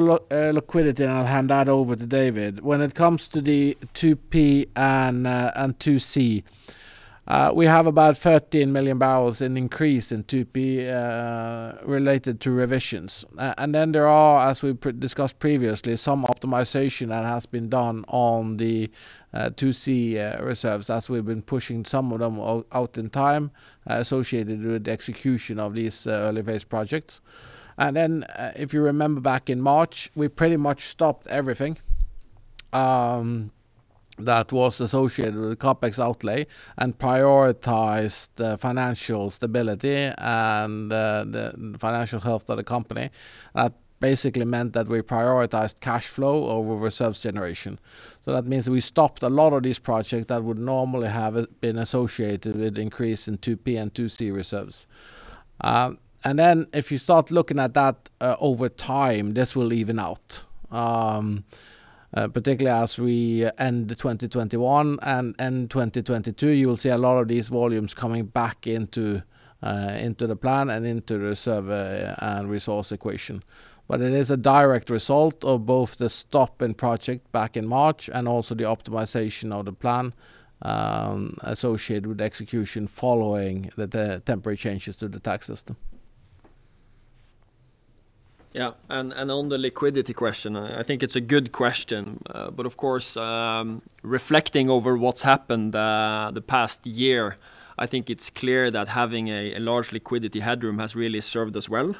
liquidity, and I'll hand that over to David. When it comes to the 2P and 2C, we have about 13 million barrels in increase in 2P related to revisions. Then there are, as we discussed previously, some optimization that has been done on the 2C reserves as we've been pushing some of them out in time associated with execution of these early phase projects. Then, if you remember back in March, we pretty much stopped everything that was associated with the CapEx outlay and prioritized the financial stability and the financial health of the company. That basically meant that we prioritized cash flow over reserves generation. That means we stopped a lot of these projects that would normally have been associated with increase in 2P and 2C reserves. If you start looking at that over time, this will even out, particularly as we end 2021 and end 2022, you will see a lot of these volumes coming back into the plan and into the survey and resource equation. It is a direct result of both the stop in project back in March and also the optimization of the plan associated with execution following the temporary changes to the tax system. On the liquidity question, I think it's a good question. Of course, reflecting over what's happened the past year, I think it's clear that having a large liquidity headroom has really served us well.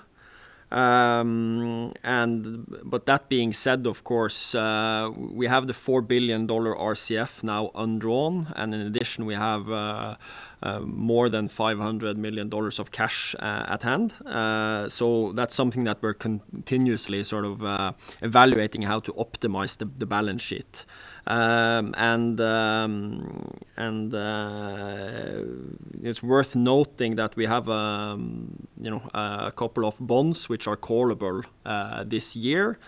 That being said, of course, we have the NOK 4 billion RCF now undrawn, and in addition, we have more than NOK 500 million of cash at hand. That's something that we're continuously evaluating how to optimize the balance sheet. It's worth noting that we have a couple of bonds which are callable this year.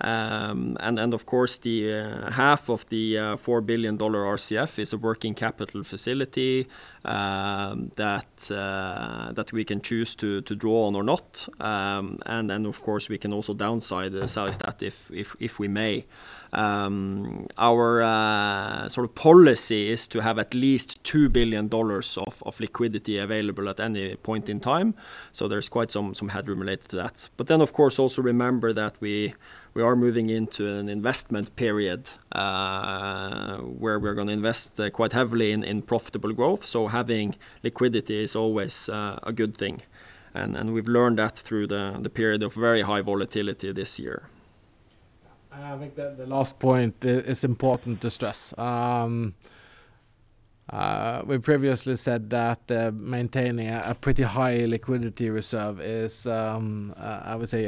Of course, half of the NOK 4 billion RCF is a working capital facility that we can choose to draw on or not. Of course, we can also downsize that if we may. Our policy is to have at least NOK 2 billion of liquidity available at any point in time. There's quite some headroom related to that. Of course, also remember that we are moving into an investment period, where we're going to invest quite heavily in profitable growth. Having liquidity is always a good thing, and we've learned that through the period of very high volatility this year. I think that the last point is important to stress. We previously said that maintaining a pretty high liquidity reserve is, I would say,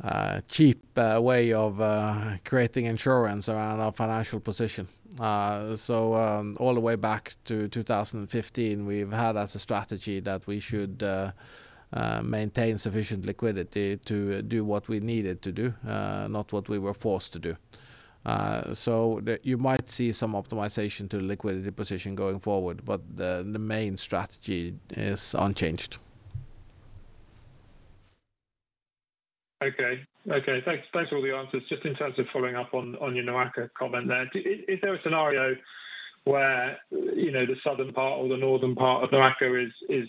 a cheap way of creating insurance around our financial position. All the way back to 2015, we've had as a strategy that we should maintain sufficient liquidity to do what we needed to do, not what we were forced to do. You might see some optimization to liquidity position going forward, but the main strategy is unchanged. Okay. Thanks for all the answers. Just in terms of following up on your NOAKA comment there, is there a scenario where the southern part or the northern part of NOAKA is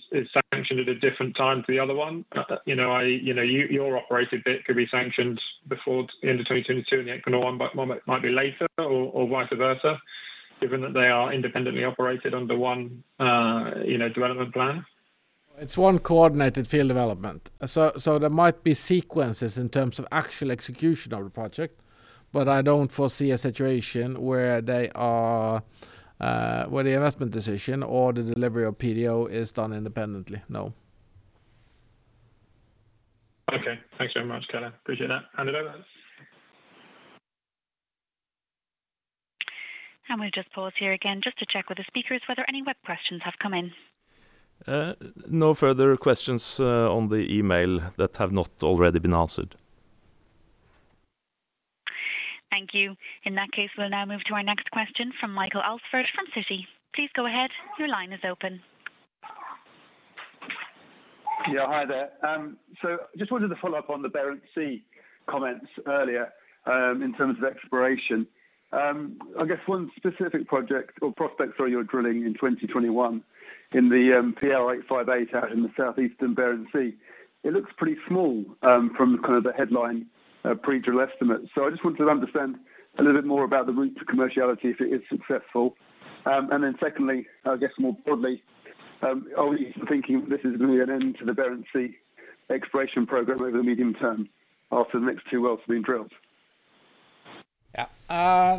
sanctioned at a different time to the other one? i.e., your operated bit could be sanctioned before the end of 2022, and the Equinor one might be later or vice versa, given that they are independently operated under one development plan? It's one coordinated field development. There might be sequences in terms of actual execution of the project, but I don't foresee a situation where the investment decision or the delivery of PDO is done independently. No. Okay. Thanks very much, Karl. Appreciate that. Hand it over. I'm going to just pause here again just to check with the speakers whether any web questions have come in. No further questions on the email that have not already been answered. Thank you. In that case, we'll now move to our next question from Michael Alsford from Citi. Please go ahead. Your line is open. Yeah, hi there. Just wanted to follow up on the Barents Sea comments earlier in terms of exploration. I guess one specific project or prospect you're drilling in 2021 in the PL858 out in the southeastern Barents Sea. It looks pretty small from the headline pre-drill estimate. I just wanted to understand a little bit more about the route to commerciality if it is successful. Secondly, I guess more broadly, are we thinking this is going to be an end to the Barents Sea exploration program over the medium term after the next two wells have been drilled? Yeah.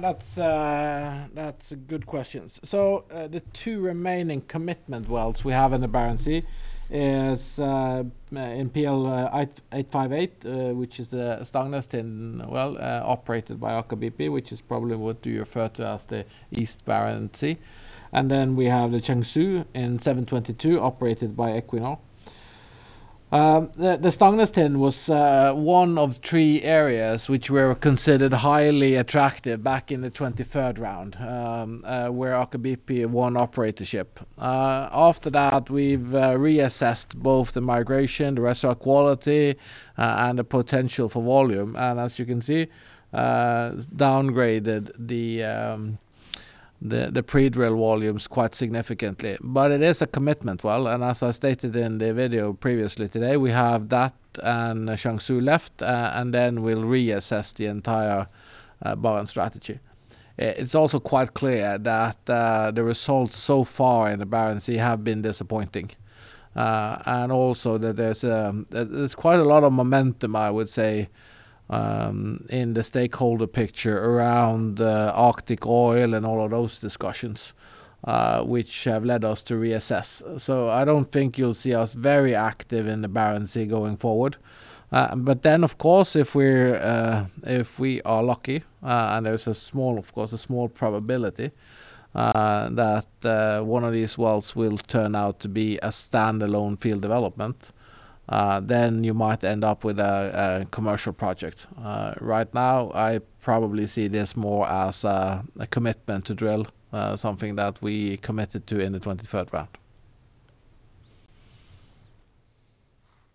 That's good questions. The two remaining commitment wells we have in the Barents Sea is in PL858 which is the Stangenestind well operated by Aker BP, which is probably what you refer to as the East Barents Sea. We have the Shenzhou in PL722 operated by Equinor. The Stangenestind was one of three areas which were considered highly attractive back in the 23rd round, where Aker BP won operatorship. After that, we've reassessed both the migration, the reservoir quality, and the potential for volume. As you can see, downgraded the pre-drill volumes quite significantly. It is a commitment well, and as I stated in the video previously today, we have that and Shenzhou left, and then we'll reassess the entire Barents strategy. It's also quite clear that the results so far in the Barents Sea have been disappointing. Also that there's quite a lot of momentum, I would say, in the stakeholder picture around Arctic oil and all of those discussions which have led us to reassess. I don't think you'll see us very active in the Barents Sea going forward. Of course, if we are lucky and there is, of course, a small probability that one of these wells will turn out to be a standalone field development, then you might end up with a commercial project. Right now, I probably see this more as a commitment to drill something that we committed to in the 23rd round.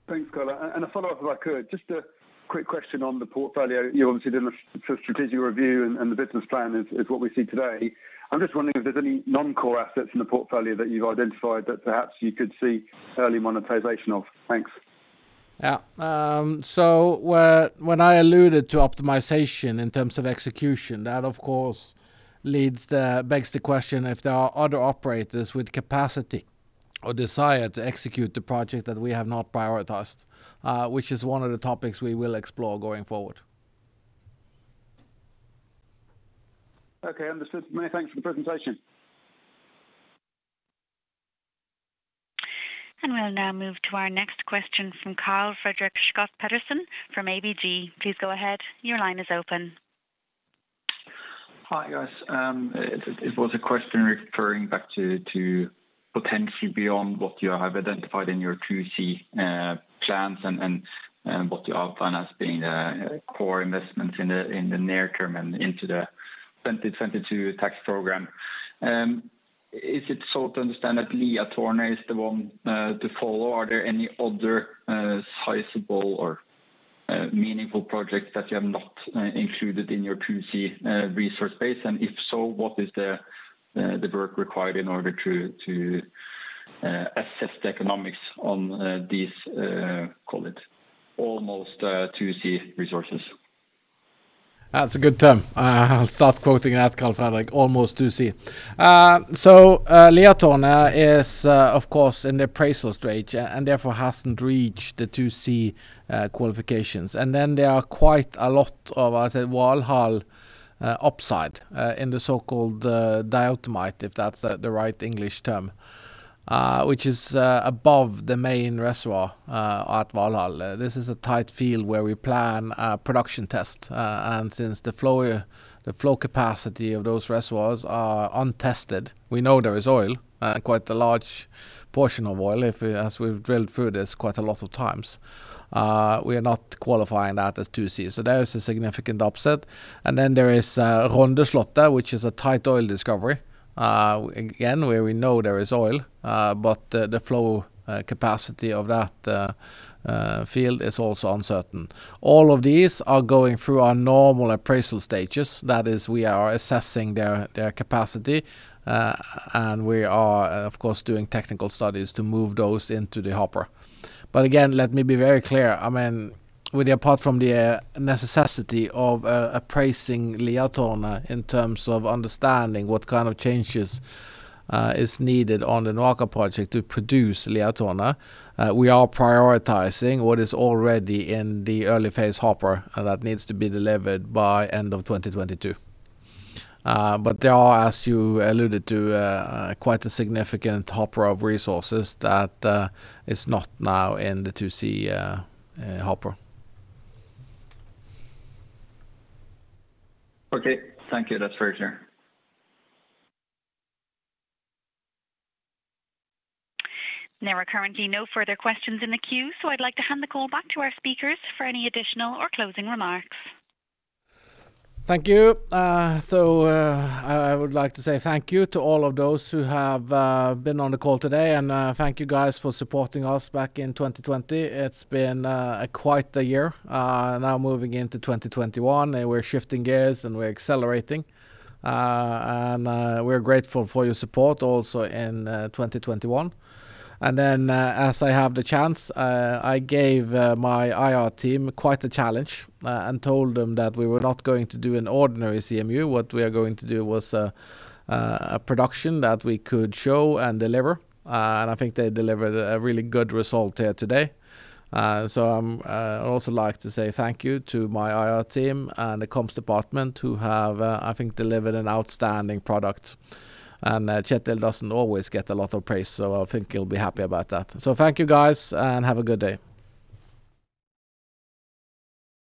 Thanks, Karl. A follow-up if I could. Just a quick question on the portfolio. You obviously did a strategic review and the business plan is what we see today. I'm just wondering if there's any non-core assets in the portfolio that you've identified that perhaps you could see early monetization of. Thanks. Yeah. When I alluded to optimization in terms of execution, that of course begs the question if there are other operators with capacity or desire to execute the project that we have not prioritized, which is one of the topics we will explore going forward. Okay, understood. Many thanks for the presentation. We'll now move to our next question from Karl Fredrik Schjøtt-Pedersen from ABG. Please go ahead. Your line is open. Hi, guys. It was a question referring back to potentially beyond what you have identified in your 2C plans and what you have planned as being core investments in the near term and into the 2020, 2022 tax program. Is it so to understand that Liatårnet is the one to follow? Are there any other sizable or meaningful projects that you have not included in your 2C resource base? If so, what is the work required in order to assess the economics on these, call it almost 2C resources? That's a good term. I'll start quoting that, Karl Fredrik, almost 2C. Liatårnet is, of course, in the appraisal stage and therefore hasn't reached the 2C qualifications. There are quite a lot of, I say, Valhall upside in the so-called diatomite, if that's the right English term, which is above the main reservoir at Valhall. This is a tight field where we plan a production test. Since the flow capacity of those reservoirs are untested, we know there is oil, quite a large portion of oil, as we've drilled through this quite a lot of times. We are not qualifying that as 2C. There is a significant upside. Then there is Rondeslottet, which is a tight oil discovery, again, where we know there is oil, but the flow capacity of that field is also uncertain. All of these are going through our normal appraisal stages. That is, we are assessing their capacity, and we are of course doing technical studies to move those into the hopper. Again, let me be very clear. Apart from the necessity of appraising Liatårnet in terms of understanding what kind of changes is needed on the NOAKA project to produce Liatårnet, we are prioritizing what is already in the early phase hopper that needs to be delivered by end of 2022. There are, as you alluded to, quite a significant hopper of resources that is not now in the 2C hopper. Okay. Thank you. That's very clear. There are currently no further questions in the queue, so I'd like to hand the call back to our speakers for any additional or closing remarks. Thank you. I would like to say thank you to all of those who have been on the call today, and thank you guys for supporting us back in 2020. It's been quite a year. Moving into 2021, we're shifting gears, and we're accelerating. We're grateful for your support also in 2021. As I have the chance, I gave my IR team quite a challenge and told them that we were not going to do an ordinary CMU. What we are going to do was a production that we could show and deliver, and I think they delivered a really good result here today. I'd also like to say thank you to my IR team and the comms department who have, I think, delivered an outstanding product. Kjetil doesn't always get a lot of praise, so I think he'll be happy about that. Thank you, guys, and have a good day.